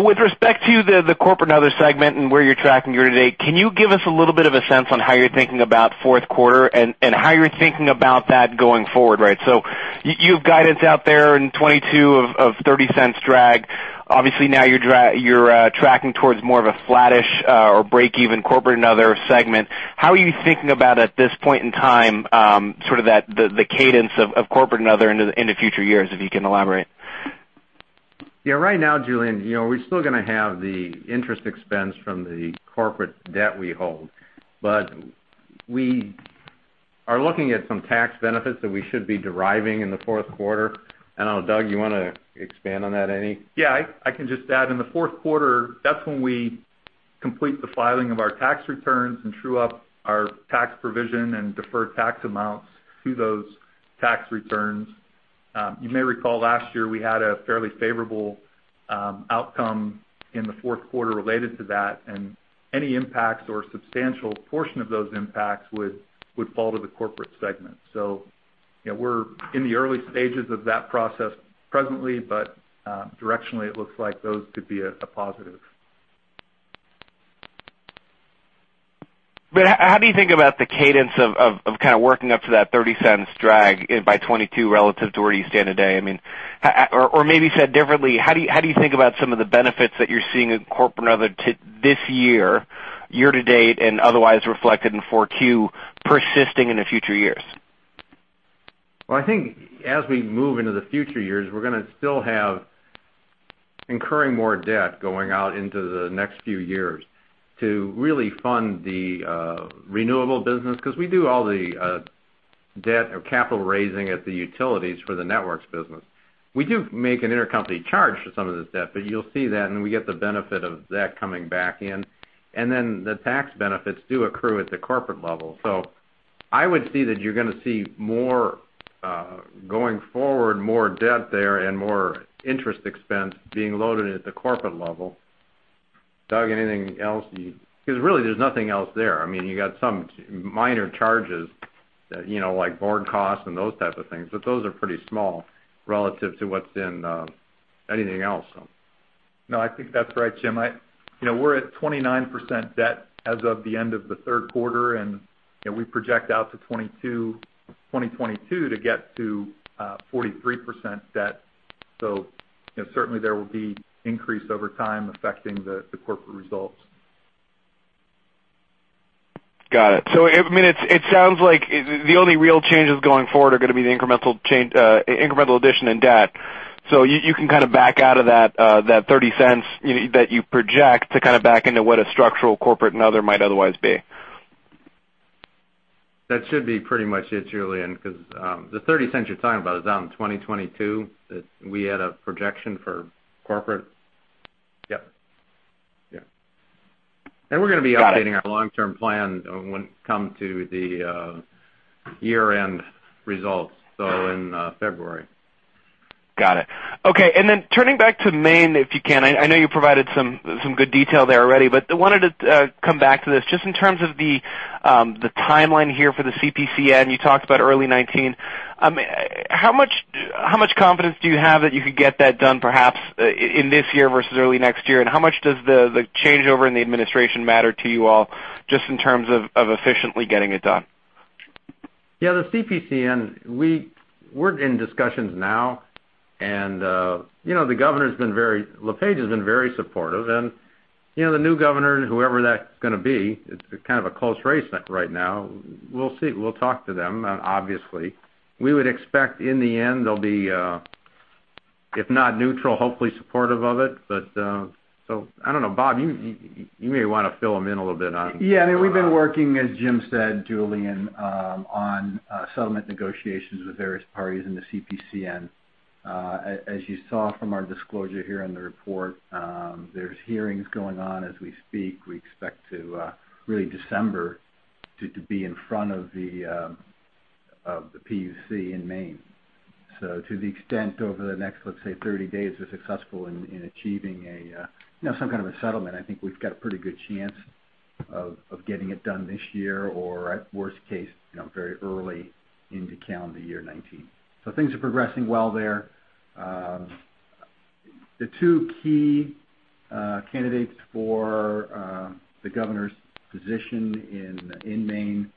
With respect to the Corporate and Other segment and where you're tracking year-to-date, can you give us a little bit of a sense on how you're thinking about fourth quarter and how you're thinking about that going forward, right? You have guidance out there in 2022 of $0.30 drag. Obviously, now you're tracking towards more of a flattish or break even Corporate and Other segment. How are you thinking about at this point in time, sort of the cadence of Corporate and Other into future years, if you can elaborate? Yeah. Right now, Julien, we're still going to have the interest expense from the corporate debt we hold, but we are looking at some tax benefits that we should be deriving in the fourth quarter. I don't know, Doug, you want to expand on that any? Yeah, I can just add. In the fourth quarter, that's when we complete the filing of our tax returns and true up our tax provision and deferred tax amounts to those tax returns. You may recall last year we had a fairly favorable outcome in the fourth quarter related to that, and any impacts or substantial portion of those impacts would fall to the Corporate segment. We're in the early stages of that process presently, but directionally, it looks like those could be a positive. How do you think about the cadence of kind of working up to that $0.30 drag by 2022 relative to where you stand today? Or maybe said differently, how do you think about some of the benefits that you're seeing in corporate and other this year to date, and otherwise reflected in 4Q persisting into future years? Well, I think as we move into the future years, we're going to still have incurring more debt going out into the next few years to really fund the renewable business, because we do all the debt or capital raising at the utilities for the networks business. We do make an intercompany charge for some of this debt, but you'll see that, and we get the benefit of that coming back in, and then the tax benefits do accrue at the corporate level. I would see that you're going forward, more debt there and more interest expense being loaded at the corporate level. Doug, anything else? Because really there's nothing else there. You got some minor charges like board costs and those types of things, but those are pretty small relative to what's in anything else. No, I think that's right, Jim. We're at 29% debt as of the end of the third quarter, and we project out to 2022 to get to 43% debt. Certainly there will be increase over time affecting the corporate results. Got it. It sounds like the only real changes going forward are going to be the incremental addition in debt. You can kind of back out of that $0.30 that you project to kind of back into what a structural corporate and other might otherwise be. That should be pretty much it, Julien, because the $0.30 you're talking about is out in 2022, that we had a projection for corporate. Yep. Yeah. We're going to be updating. Got it. our long-term plan when it comes to the year-end results, so in February. Got it. Okay. Turning back to Maine, if you can, I know you provided some good detail there already, but I wanted to come back to this just in terms of the timeline here for the CPCN. You talked about early 2019. How much confidence do you have that you could get that done perhaps in this year versus early next year? How much does the changeover in the administration matter to you all, just in terms of efficiently getting it done? The CPCN, we're in discussions now. The governor, LePage, has been very supportive. The new governor, whoever that's going to be, it's kind of a close race right now. We'll see. We'll talk to them, obviously. We would expect in the end they'll be, if not neutral, hopefully supportive of it. I don't know, Bob, you may want to fill him in a little bit on- We've been working, as Jim said, Julien, on settlement negotiations with various parties in the CPCN. You saw from our disclosure here on the report, there's hearings going on as we speak. We expect to, really December, to be in front of the PUC in Maine. To the extent over the next, let's say, 30 days, we're successful in achieving some kind of a settlement, I think we've got a pretty good chance of getting it done this year or, worst case, very early into calendar year 2019. Things are progressing well there. The two key candidates for the governor's position in Maine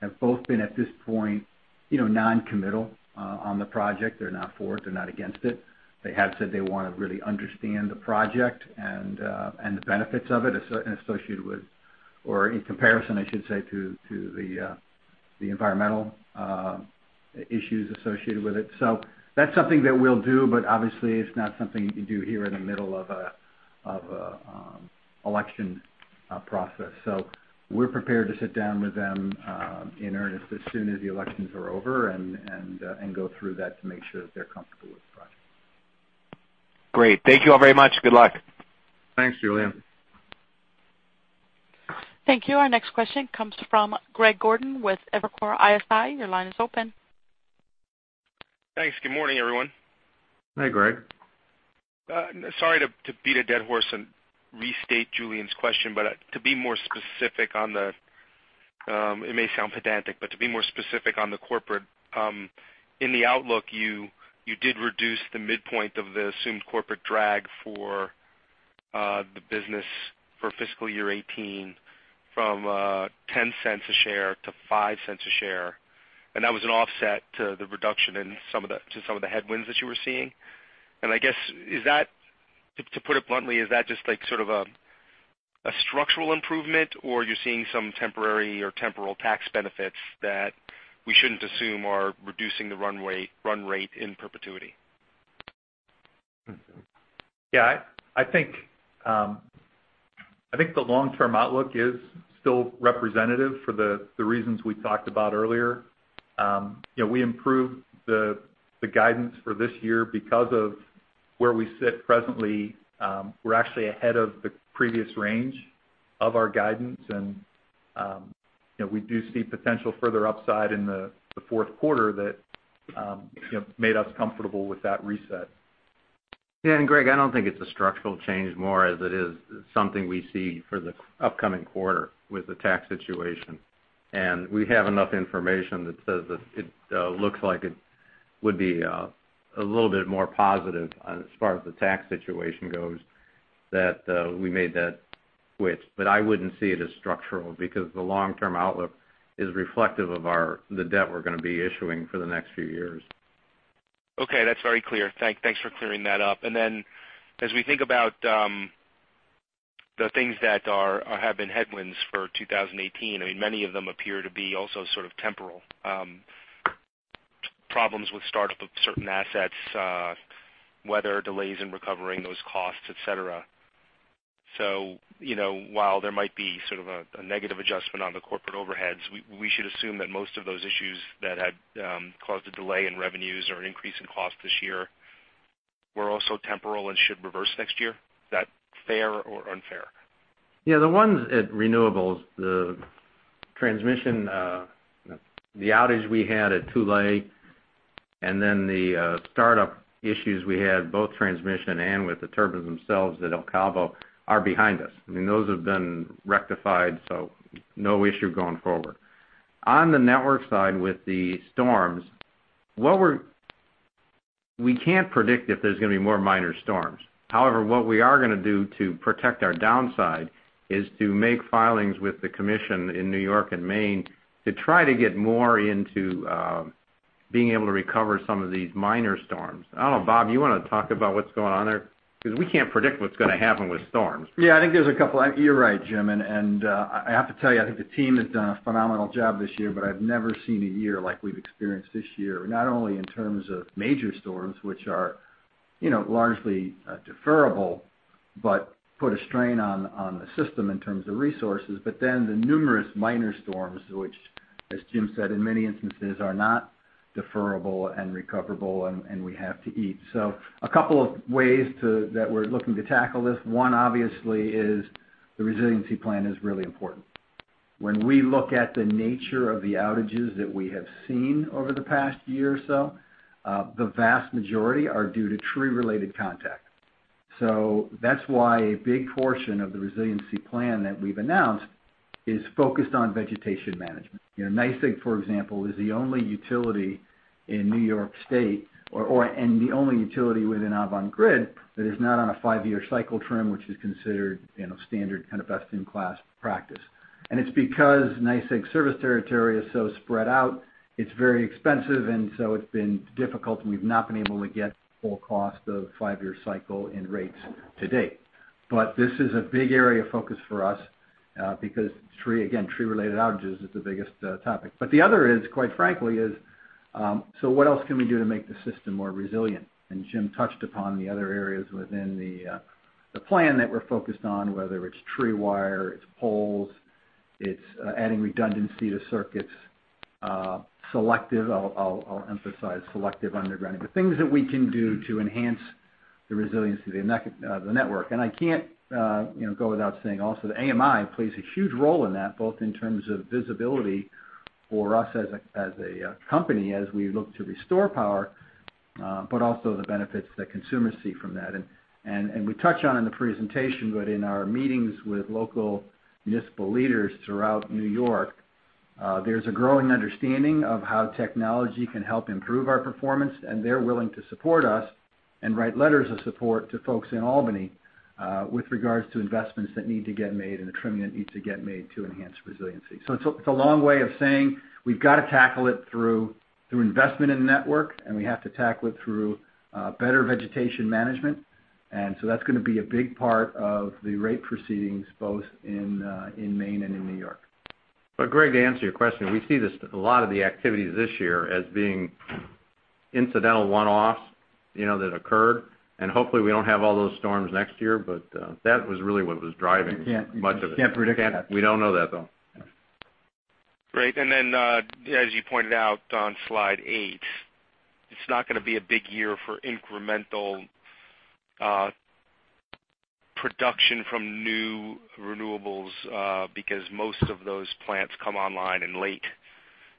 have both been, at this point, non-committal on the project. They're not for it; they're not against it. They have said they want to really understand the project and the benefits of it associated with, or in comparison, I should say, to the environmental issues associated with it. That's something that we'll do, obviously it's not something you do here in the middle of an election process. We're prepared to sit down with them in earnest as soon as the elections are over and go through that to make sure that they're comfortable with the project. Great. Thank you all very much. Good luck. Thanks, Julien. Thank you. Our next question comes from Greg Gordon with Evercore ISI. Your line is open. Thanks. Good morning, everyone. Hi, Greg. Sorry to beat a dead horse and restate Julien's question, to be more specific on the corporate. It may sound pedantic, to be more specific on the corporate. In the outlook, you did reduce the midpoint of the assumed corporate drag for the business for fiscal year 2018 from $0.10 a share to $0.05 a share. That was an offset to the reduction to some of the headwinds that you were seeing. I guess, to put it bluntly, is that just like sort of a structural improvement, or you're seeing some temporary or temporal tax benefits that we shouldn't assume are reducing the run rate in perpetuity? I think the long-term outlook is still representative for the reasons we talked about earlier. We improved the guidance for this year because of where we sit presently. We're actually ahead of the previous range of our guidance. We do see potential further upside in the fourth quarter that made us comfortable with that reset. Greg, I don't think it's a structural change more as it is something we see for the upcoming quarter with the tax situation. We have enough information that says that it looks like it would be a little bit more positive as far as the tax situation goes, that we made that switch. I wouldn't see it as structural because the long-term outlook is reflective of the debt we're going to be issuing for the next few years. Okay, that's very clear. Thanks for clearing that up. As we think about the things that have been headwinds for 2018, many of them appear to be also sort of temporal. Problems with startup of certain assets, weather delays in recovering those costs, et cetera. While there might be sort of a negative adjustment on the corporate overheads, we should assume that most of those issues that had caused a delay in revenues or an increase in cost this year were also temporal and should reverse next year. Is that fair or unfair? Yeah, the ones at renewables, the transmission, the outage we had at Tule, the startup issues we had, both transmission and with the turbines themselves at El Cabo, are behind us. Those have been rectified, so no issue going forward. On the network side with the storms, we can't predict if there's going to be more minor storms. However, what we are going to do to protect our downside is to make filings with the commission in New York and Maine to try to get more into Being able to recover some of these minor storms. I don't know, Bob, you want to talk about what's going on there? We can't predict what's going to happen with storms. Yeah, I think there's a couple. You're right, Jim, and I have to tell you, I think the team has done a phenomenal job this year, but I've never seen a year like we've experienced this year, not only in terms of major storms, which are largely deferrable, but put a strain on the system in terms of resources. The numerous minor storms, which, as Jim said, in many instances are not deferrable and recoverable, and we have to eat. A couple of ways that we're looking to tackle this. One obviously is the resiliency plan is really important. When we look at the nature of the outages that we have seen over the past year or so, the vast majority are due to tree-related contact. That's why a big portion of the resiliency plan that we've announced is focused on vegetation management. NYSEG, for example, is the only utility in New York State, and the only utility within Avangrid that is not on a five-year cycle trim, which is considered standard, kind of best-in-class practice. It's because NYSEG's service territory is so spread out, it's very expensive, it's been difficult, and we've not been able to get full cost of five-year cycle in rates to date. This is a big area of focus for us, because again, tree-related outages is the biggest topic. The other is, quite frankly, what else can we do to make the system more resilient? Jim touched upon the other areas within the plan that we're focused on, whether it's tree wire, it's poles, it's adding redundancy to circuits, selective, I'll emphasize selective underground. The things that we can do to enhance the resiliency of the network. I can't go without saying also that AMI plays a huge role in that, both in terms of visibility for us as a company, as we look to restore power, but also the benefits that consumers see from that. We touch on in the presentation, but in our meetings with local municipal leaders throughout New York, there's a growing understanding of how technology can help improve our performance, and they're willing to support us and write letters of support to folks in Albany, with regards to investments that need to get made and the trimming that needs to get made to enhance resiliency. It's a long way of saying we've got to tackle it through investment in network, and we have to tackle it through better vegetation management. That's going to be a big part of the rate proceedings, both in Maine and in New York. Greg, to answer your question, we see this, a lot of the activities this year as being incidental one-offs that occurred, and hopefully we don't have all those storms next year, but that was really what was driving much of it. You can't predict that. We don't know that, though. Yeah. Great. As you pointed out on slide eight, it's not going to be a big year for incremental production from new renewables, because most of those plants come online in late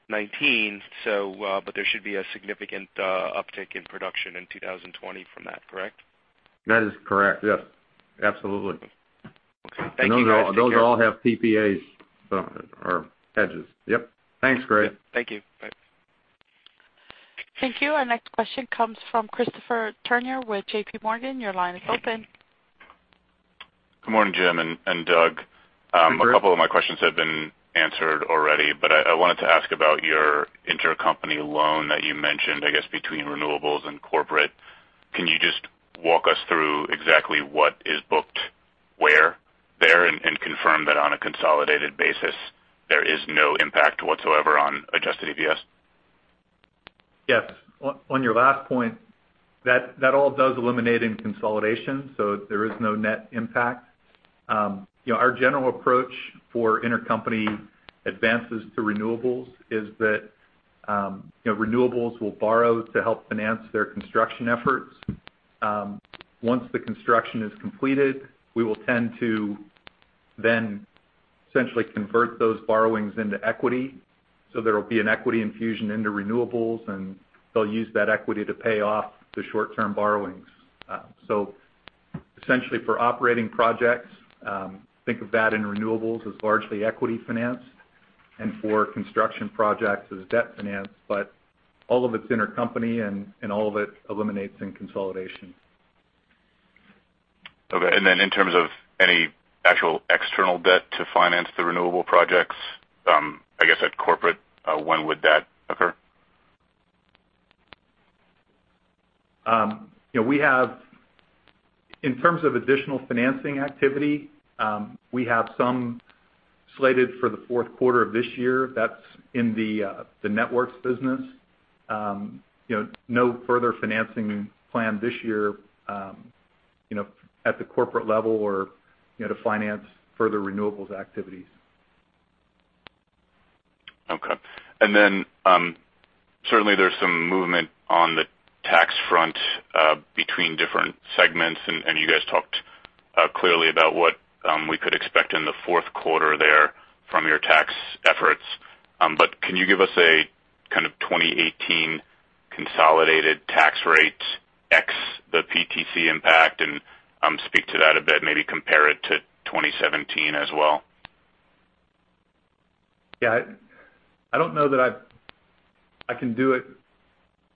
2019. There should be a significant uptick in production in 2020 from that, correct? That is correct. Yes. Absolutely. Okay. Thank you guys. Take care. Those all have PPAs or hedges. Yep. Thanks, Greg. Thank you. Bye. Thank you. Our next question comes from Christopher Turner with JPMorgan. Your line is open. Good morning, Jim and Doug. Good morning. A couple of my questions have been answered already, I wanted to ask about your intercompany loan that you mentioned, I guess, between renewables and corporate. Can you just walk us through exactly what is booked where there and confirm that on a consolidated basis, there is no impact whatsoever on adjusted EPS? Yes. On your last point, that all does eliminate in consolidation, there is no net impact. Our general approach for intercompany advances to renewables is that renewables will borrow to help finance their construction efforts. Once the construction is completed, we will tend to then essentially convert those borrowings into equity. There'll be an equity infusion into renewables, and they'll use that equity to pay off the short-term borrowings. Essentially for operating projects, think of that in renewables as largely equity finance, and for construction projects as debt finance. All of it's intercompany, and all of it eliminates in consolidation. Okay. In terms of any actual external debt to finance the renewable projects, I guess, at corporate, when would that occur? In terms of additional financing activity, we have some slated for the fourth quarter of this year. That's in the networks business. No further financing plan this year at the corporate level or to finance further renewables activities. Okay. Certainly there's some movement on the tax front between different segments, and you guys talked clearly about what we could expect in the fourth quarter there from your tax efforts. Can you give us a kind of 2018 consolidated tax rate, X the PTC impact, and speak to that a bit, maybe compare it to 2017 as well? Yeah. I don't know that I can do it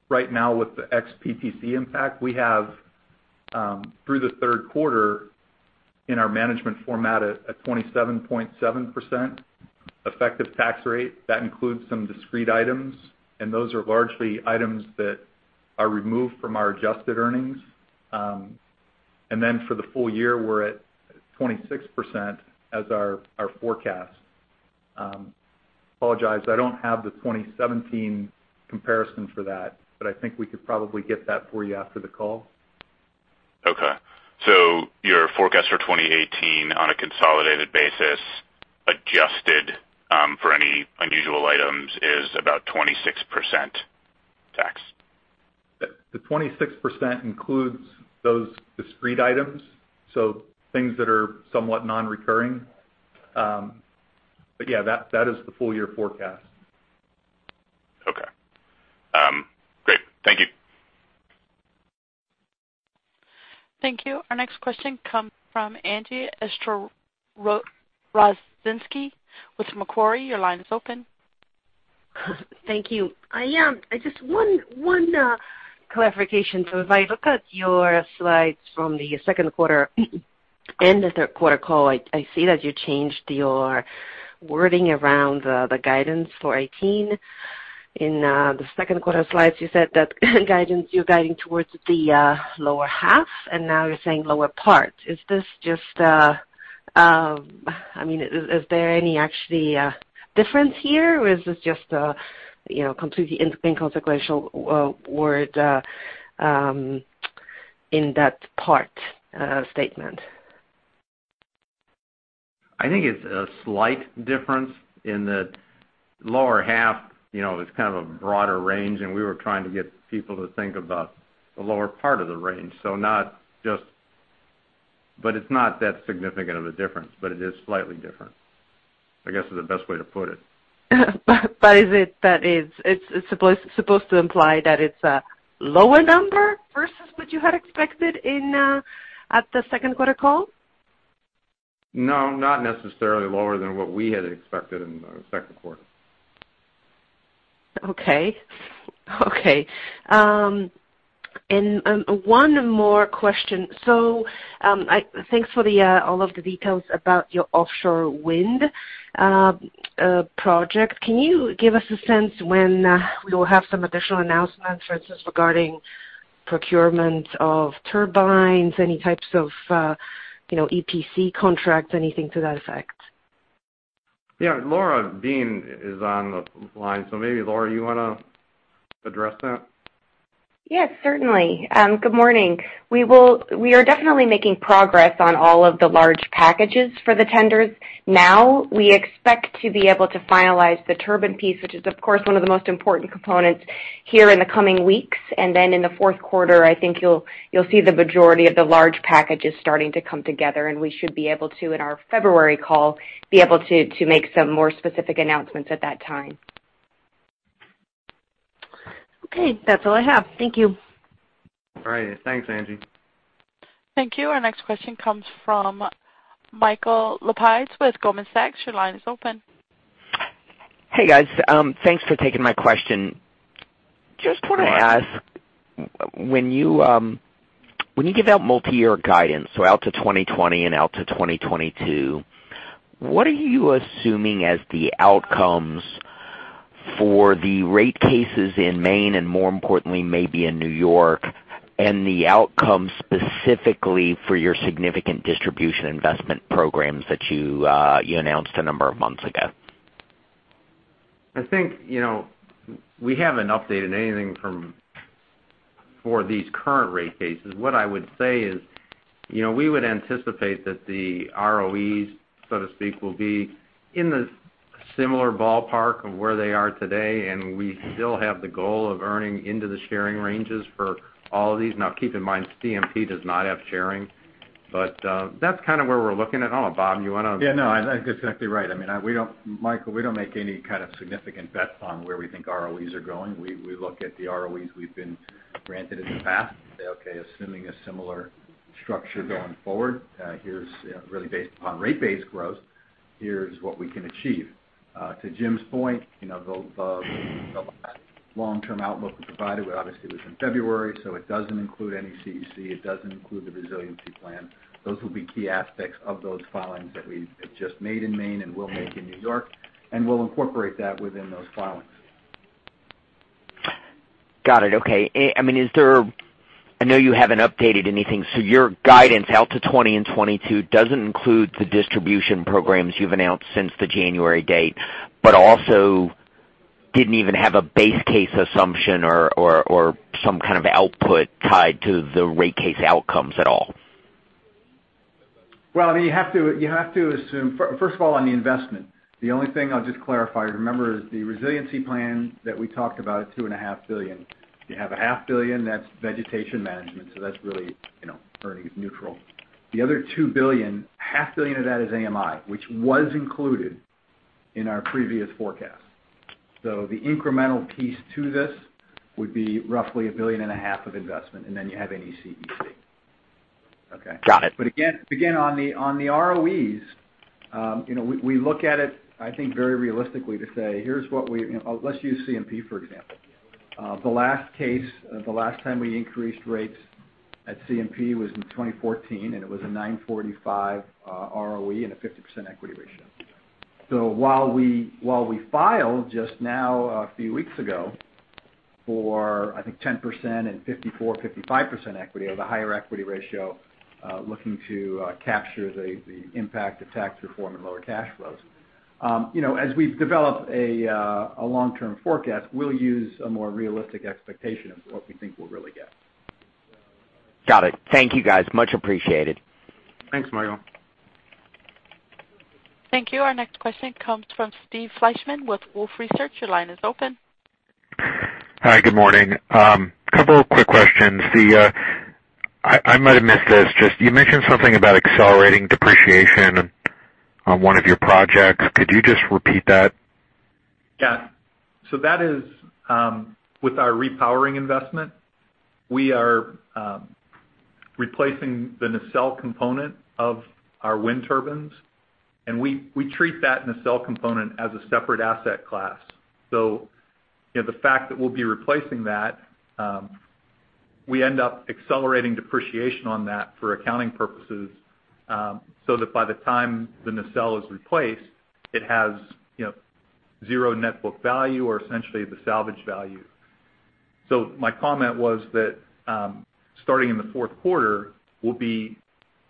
right now with the ex PTC impact. We have through the third quarter. In our management format, a 27.7% effective tax rate. That includes some discrete items, and those are largely items that are removed from our adjusted earnings. Then for the full year, we are at 26% as our forecast. Apologize, I do not have the 2017 comparison for that, I think we could probably get that for you after the call. Okay. Your forecast for 2018 on a consolidated basis, adjusted for any unusual items, is about 26% tax. The 26% includes those discrete items, so things that are somewhat non-recurring. Yeah, that is the full year forecast. Okay. Great. Thank you. Thank you. Our next question comes from Angie Storozynski with Macquarie. Your line is open. Thank you. Just one clarification. If I look at your slides from the second quarter and the third quarter call, I see that you changed your wording around the guidance for 2018. In the second quarter slides, you said that you're guiding towards the lower half. Now you're saying lower part. Is there any actually difference here, or is this just completely inconsequential word in that part statement? I think it's a slight difference in that lower half. It's kind of a broader range. We were trying to get people to think about the lower part of the range, but it's not that significant of a difference. It is slightly different, I guess, is the best way to put it. It's supposed to imply that it's a lower number versus what you had expected at the second quarter call? No, not necessarily lower than what we had expected in the second quarter. Okay. One more question. Thanks for all of the details about your offshore wind project. Can you give us a sense when we will have some additional announcements, for instance, regarding procurement of turbines, any types of EPC contracts, anything to that effect? Yeah. Laura Beane is on the line. Maybe Laura, you want to address that? Yes, certainly. Good morning. We are definitely making progress on all of the large packages for the tenders. We expect to be able to finalize the turbine piece, which is, of course, one of the most important components here in the coming weeks. Then in the fourth quarter, I think you'll see the majority of the large packages starting to come together, and we should be able to, in our February call, be able to make some more specific announcements at that time. Okay. That's all I have. Thank you. All right. Thanks, Angie. Thank you. Our next question comes from Michael Lapides with Goldman Sachs. Your line is open. Hey, guys. Thanks for taking my question. Just want to ask, when you give out multi-year guidance, so out to 2020 and out to 2022, what are you assuming as the outcomes for the rate cases in Maine, and more importantly, maybe in New York, and the outcomes specifically for your significant distribution investment programs that you announced a number of months ago? I think we haven't updated anything for these current rate cases. What I would say is we would anticipate that the ROEs, so to speak, will be in the similar ballpark of where they are today, and we still have the goal of earning into the sharing ranges for all of these. Now, keep in mind, CMP does not have sharing. That's kind of where we're looking at. I don't know, Bob, you want to- I think that's exactly right. Michael, we don't make any kind of significant bets on where we think ROEs are going. We look at the ROEs we've been granted in the past and say, okay, assuming a similar structure going forward, really based upon rate base growth, here's what we can achieve. To Jim's point, the long-term outlook we provided, obviously it was in February, so it doesn't include any CEC. It doesn't include the resiliency plan. Those will be key aspects of those filings that we have just made in Maine and will make in New York, and we'll incorporate that within those filings. Got it. Okay. I know you haven't updated anything, so your guidance out to 2020 and 2022 doesn't include the distribution programs you've announced since the January date. Also didn't even have a base case assumption or some kind of output tied to the rate case outcomes at all. First of all, on the investment, the only thing I'll just clarify, remember, the resiliency plan that we talked about is $2.5 billion. You have a half billion, that's vegetation management, so that's really earnings neutral. The other $2 billion, half billion of that is AMI, which was included in our previous forecast. The incremental piece to this would be roughly a billion and a half of investment, and then you have NECEC. Okay. Got it. Again, on the ROEs, we look at it, I think, very realistically to say, let's use CMP, for example. The last case, the last time we increased rates at CMP was in 2014, and it was a 9.45% ROE and a 50% equity ratio. While we filed just now, a few weeks ago for, I think, 10% and 54%-55% equity of a higher equity ratio, looking to capture the impact of tax reform and lower cash flows. As we've developed a long-term forecast, we'll use a more realistic expectation of what we think we'll really get. Got it. Thank you, guys. Much appreciated. Thanks, Michael. Thank you. Our next question comes from Steve Fleishman with Wolfe Research. Your line is open. Hi. Good morning. Couple of quick questions. I might have missed this. You mentioned something about accelerating depreciation on one of your projects. Could you just repeat that? Yeah. That is with our repowering investment. We are replacing the nacelle component of our wind turbines, and we treat that nacelle component as a separate asset class. The fact that we'll be replacing that, we end up accelerating depreciation on that for accounting purposes. That by the time the nacelle is replaced, it has zero net book value or essentially the salvage value. My comment was that, starting in the fourth quarter, we'll be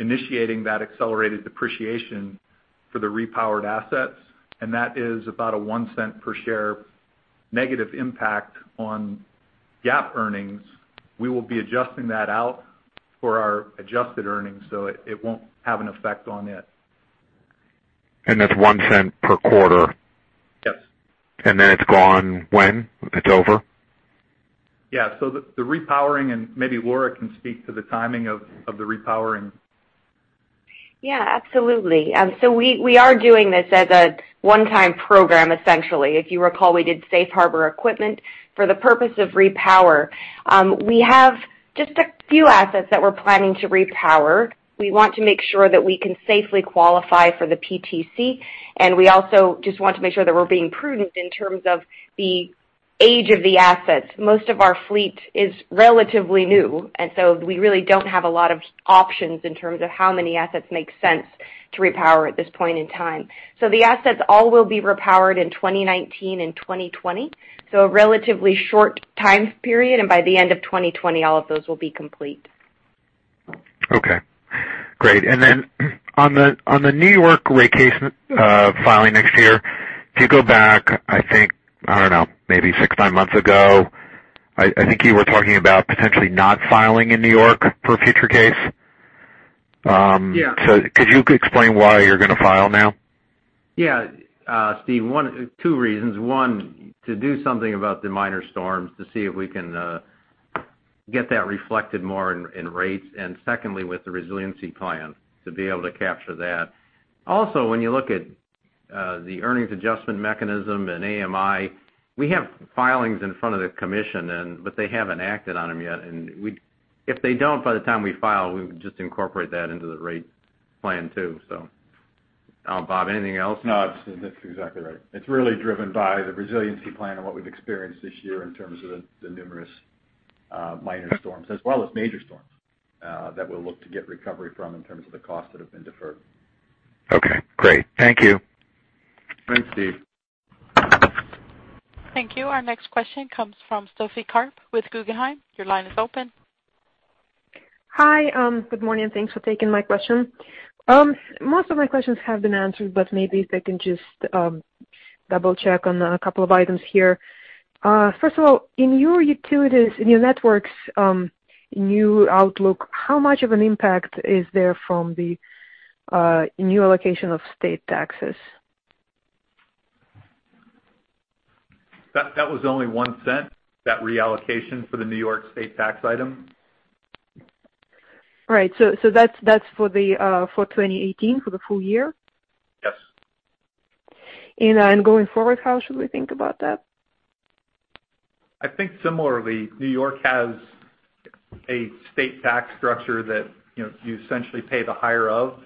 initiating that accelerated depreciation for the repowered assets, and that is about a $0.01 per share negative impact on GAAP earnings. We will be adjusting that out for our adjusted earnings, so it won't have an effect on it. That's $0.01 per quarter? Yes. It's gone when? It's over? Yeah. The repowering, and maybe Laura can speak to the timing of the repowering. Yeah, absolutely. We are doing this as a one-time program, essentially. If you recall, we did safe harbor equipment for the purpose of repower. We have just a few assets that we're planning to repower. We want to make sure that we can safely qualify for the PTC, and we also just want to make sure that we're being prudent in terms of the age of the assets. Most of our fleet is relatively new, and so we really don't have a lot of options in terms of how many assets make sense to repower at this point in time. The assets all will be repowered in 2019 and 2020. A relatively short time period, and by the end of 2020, all of those will be complete. Okay, great. On the New York rate case filing next year, if you go back, I think, I don't know, maybe six, nine months ago, I think you were talking about potentially not filing in New York for a future case. Yeah. Could you explain why you're going to file now? Yeah. Steve, two reasons. One, to do something about the minor storms to see if we can get that reflected more in rates, and secondly, with the resiliency plan, to be able to capture that. Also, when you look at the earnings adjustment mechanism and AMI, we have filings in front of the Commission, but they haven't acted on them yet. If they don't, by the time we file, we would just incorporate that into the rate plan too. Bob, anything else? No, that's exactly right. It's really driven by the resiliency plan and what we've experienced this year in terms of the numerous minor storms as well as major storms, that we'll look to get recovery from in terms of the costs that have been deferred. Okay, great. Thank you. Thanks, Steve. Thank you. Our next question comes from Sophie Karp with Guggenheim. Your line is open. Hi. Good morning. Thanks for taking my question. Most of my questions have been answered, but maybe if I can just double-check on a couple of items here. First of all, in your utilities, in your networks, new outlook, how much of an impact is there from the new allocation of state taxes? That was only $0.01, that reallocation for the New York State tax item. Right. That's for 2018, for the full year? Yes. Going forward, how should we think about that? I think similarly, New York has a State tax structure that you essentially pay the higher of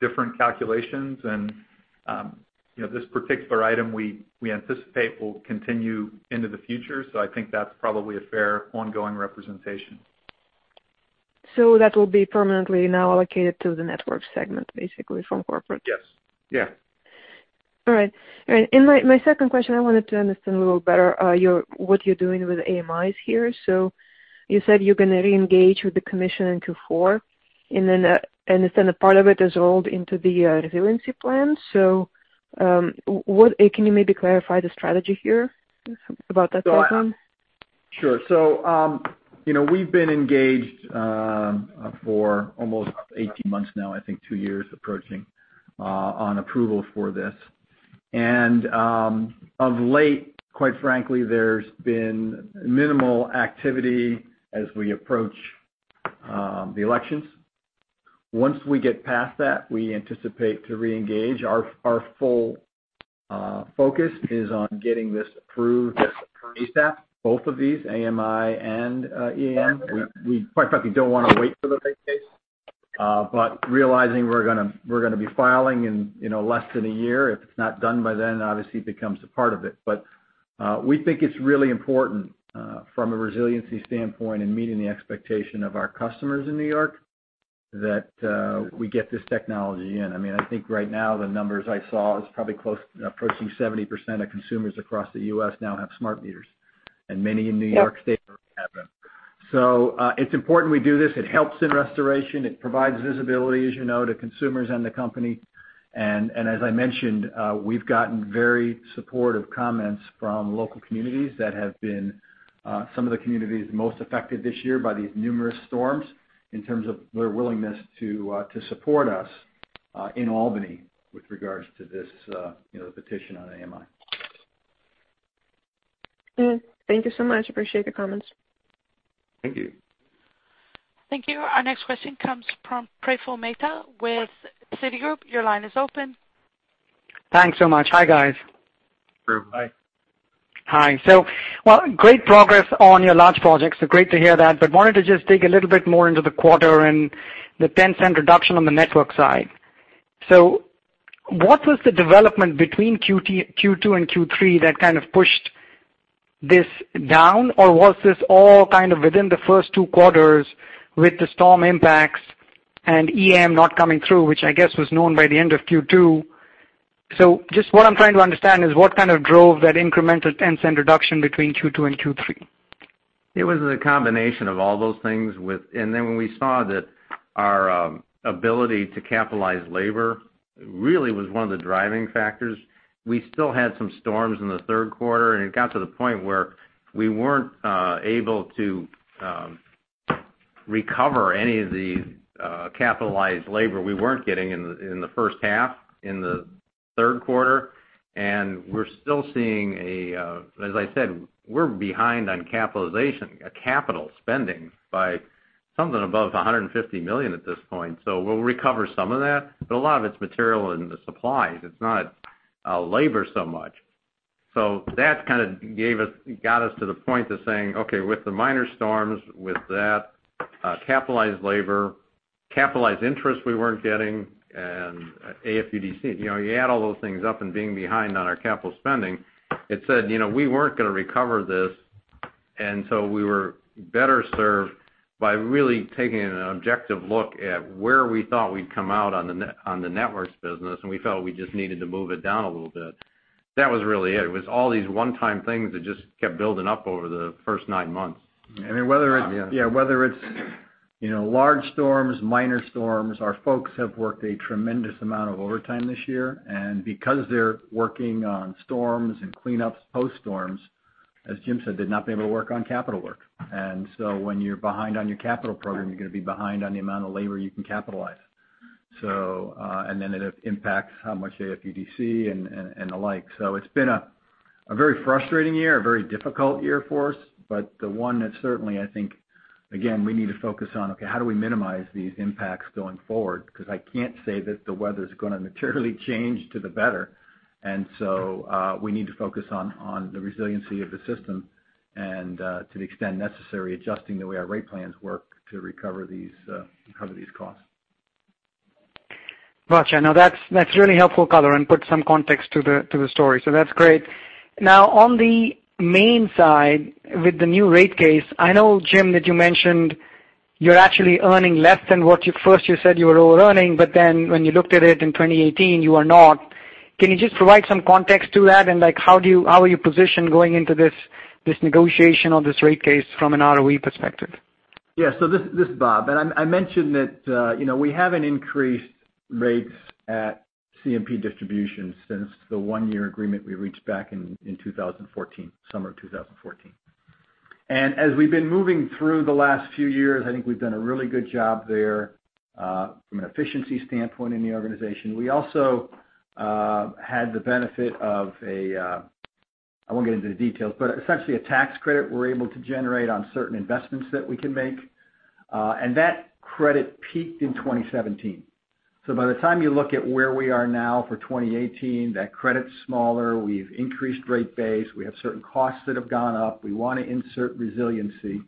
different calculations. This particular item we anticipate will continue into the future. I think that's probably a fair ongoing representation. That will be permanently now allocated to the network segment, basically from corporate? Yes. Yeah. All right. My second question, I wanted to understand a little better what you're doing with AMIs here. You said you're going to reengage with the commission in Q4, and then a part of it is rolled into the resiliency plan. Can you maybe clarify the strategy here about that timeline? Sure. We've been engaged for almost 18 months now, I think two years approaching, on approval for this. Of late, quite frankly, there's been minimal activity as we approach the elections. Once we get past that, we anticipate to reengage. Our full focus is on getting this approved ASAP, both of these, AMI and EM. We quite frankly don't want to wait for the rate case Realizing we're going to be filing in less than one year. If it's not done by then, obviously it becomes a part of it. We think it's really important from a resiliency standpoint and meeting the expectation of our customers in New York that we get this technology in. I think right now the numbers I saw is probably approaching 70% of consumers across the U.S. now have smart meters, and many in New York State- Yep have them. It's important we do this. It helps in restoration. It provides visibility, as you know, to consumers and the company. As I mentioned, we've gotten very supportive comments from local communities that have been some of the communities most affected this year by these numerous storms in terms of their willingness to support us in Albany with regards to this petition on AMI. Thank you so much. Appreciate the comments. Thank you. Thank you. Our next question comes from Praful Mehta with Citigroup. Your line is open. Thanks so much. Hi, guys. Praful. Hi. Hi. Great progress on your large projects, great to hear that. Wanted to just dig a little bit more into the quarter and the $0.10 reduction on the network side. What was the development between Q2 and Q3 that kind of pushed this down? Or was this all kind of within the first two quarters with the storm impacts and EM not coming through, which I guess was known by the end of Q2? Just what I'm trying to understand is what kind of drove that incremental $0.10 reduction between Q2 and Q3? It was a combination of all those things. When we saw that our ability to capitalize labor really was one of the driving factors. We still had some storms in the third quarter, and it got to the point where we weren't able to recover any of the capitalized labor we weren't getting in the first half, in the third quarter, and we're still seeing a, as I said, we're behind on capitalization, capital spending, by something above $150 million at this point. We'll recover some of that, a lot of it's material in the supplies. It's not labor so much. That kind of got us to the point of saying, okay, with the minor storms, with that capitalized labor, capitalized interest we weren't getting and AFUDC. You add all those things up and being behind on our capital spending, it said, we weren't going to recover this. So we were better served by really taking an objective look at where we thought we'd come out on the networks business. We felt we just needed to move it down a little bit. That was really it. It was all these one-time things that just kept building up over the first nine months. Whether it's large storms, minor storms, our folks have worked a tremendous amount of overtime this year. Because they're working on storms and cleanups post-storms, as Jim said, they've not been able to work on capital work. When you're behind on your capital program, you're going to be behind on the amount of labor you can capitalize. It impacts how much AFUDC and the like. It's been a very frustrating year, a very difficult year for us, but the one that certainly, I think, again, we need to focus on how do we minimize these impacts going forward? Because I can't say that the weather's going to materially change to the better. We need to focus on the resiliency of the system and, to the extent necessary, adjusting the way our rate plans work to recover these costs. Gotcha. No, that's really helpful color and puts some context to the story. That's great. Now on the Maine side, with the new rate case, I know, Jim, that you mentioned you're actually earning less than what you first, you said you were over-earning, but when you looked at it in 2018, you are not. Can you just provide some context to that and how are you positioned going into this negotiation on this rate case from an ROE perspective? Yeah. This is Bob. I mentioned that we haven't increased rates at CMP Distribution since the one-year agreement we reached back in 2014, summer of 2014. As we've been moving through the last few years, I think we've done a really good job there from an efficiency standpoint in the organization. We also had the benefit of a, I won't get into the details, but essentially a tax credit we're able to generate on certain investments that we can make. That credit peaked in 2017. By the time you look at where we are now for 2018, that credit's smaller. We've increased rate base. We have certain costs that have gone up. We want to insert resiliency.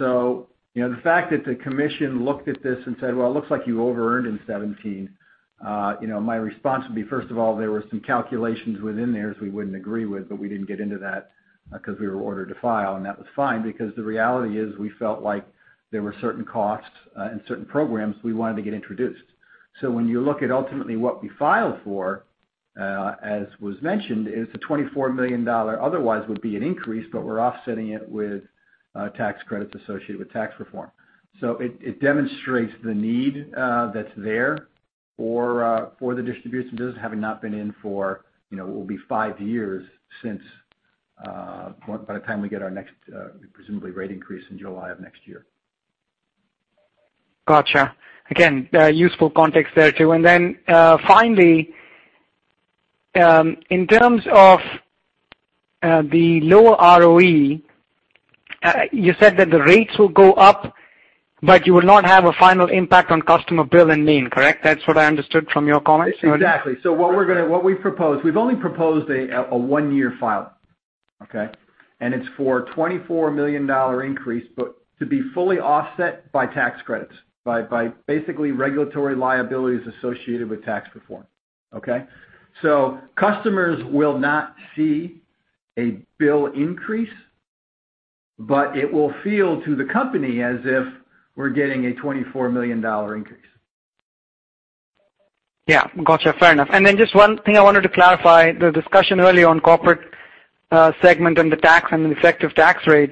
The fact that the commission looked at this and said, "Well, it looks like you over-earned in 2017," my response would be, first of all, there were some calculations within there that we wouldn't agree with, but we didn't get into that because we were ordered to file. That was fine because the reality is we felt like there were certain costs and certain programs we wanted to get introduced. When you look at ultimately what we filed for, as was mentioned, is the $24 million, otherwise would be an increase, but we're offsetting it with tax credits associated with tax reform. It demonstrates the need that's there for the distribution business having not been in for what will be five years since by the time we get our next presumably rate increase in July of next year. Gotcha. Again, useful context there, too. Then finally, in terms of the lower ROE, you said that the rates will go up, but you will not have a final impact on customer bill in Maine, correct? That's what I understood from your comments. Exactly. What we've proposed, we've only proposed a one-year filing. It's for $24 million increase, but to be fully offset by tax credits, by basically regulatory liabilities associated with tax reform. Customers will not see a bill increase, but it will feel to the company as if we're getting a $24 million increase. Yeah, got you. Fair enough. Then just one thing I wanted to clarify, the discussion earlier on corporate segment and the tax and the effective tax rate.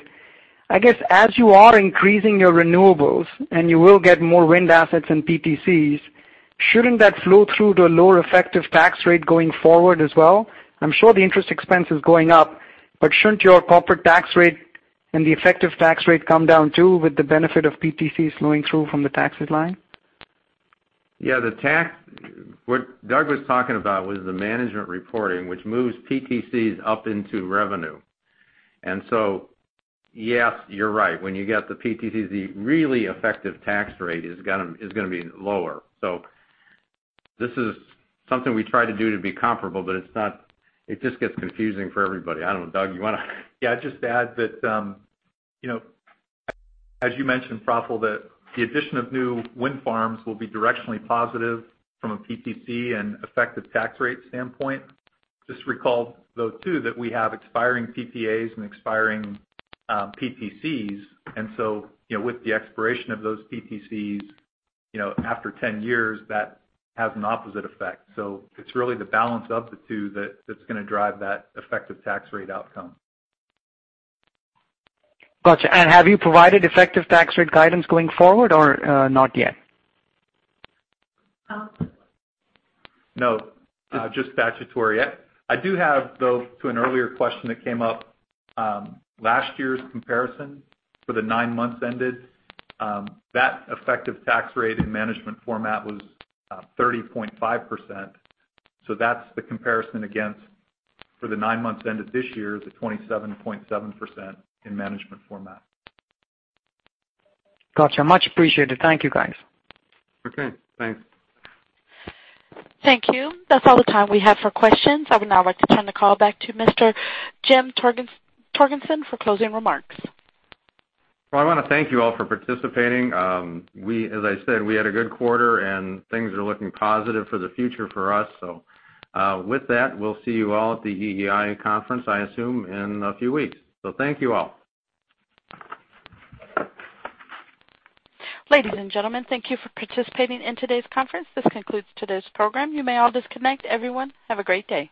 I guess as you are increasing your renewables and you will get more wind assets and PTCs, shouldn't that flow through to a lower effective tax rate going forward as well? I'm sure the interest expense is going up, but shouldn't your corporate tax rate and the effective tax rate come down, too, with the benefit of PTCs flowing through from the taxes line? Yeah, what Doug was talking about was the management reporting, which moves PTCs up into revenue. Yes, you're right. When you get the PTCs, the really effective tax rate is going to be lower. This is something we try to do to be comparable, but it just gets confusing for everybody. I don't know, Doug, you want to- Yeah, just to add that, as you mentioned, Praful, that the addition of new wind farms will be directionally positive from a PTC and effective tax rate standpoint. Just recall, though, too, that we have expiring PPAs and expiring PTCs. With the expiration of those PTCs, after 10 years, that has an opposite effect. It's really the balance of the two that's going to drive that effective tax rate outcome. Got you. Have you provided effective tax rate guidance going forward or not yet? No, just statutory. I do have, though, to an earlier question that came up, last year's comparison for the nine months ended. That effective tax rate and management format was 30.5%. That's the comparison against, for the nine months ended this year, the 27.7% in management format. Got you. Much appreciated. Thank you, guys. Okay, thanks. Thank you. That's all the time we have for questions. I would now like to turn the call back to Mr. Jim Torgerson for closing remarks. I want to thank you all for participating. As I said, we had a good quarter and things are looking positive for the future for us. With that, we'll see you all at the EEI conference, I assume, in a few weeks. Thank you all. Ladies and gentlemen, thank you for participating in today's conference. This concludes today's program. You may all disconnect. Everyone, have a great day.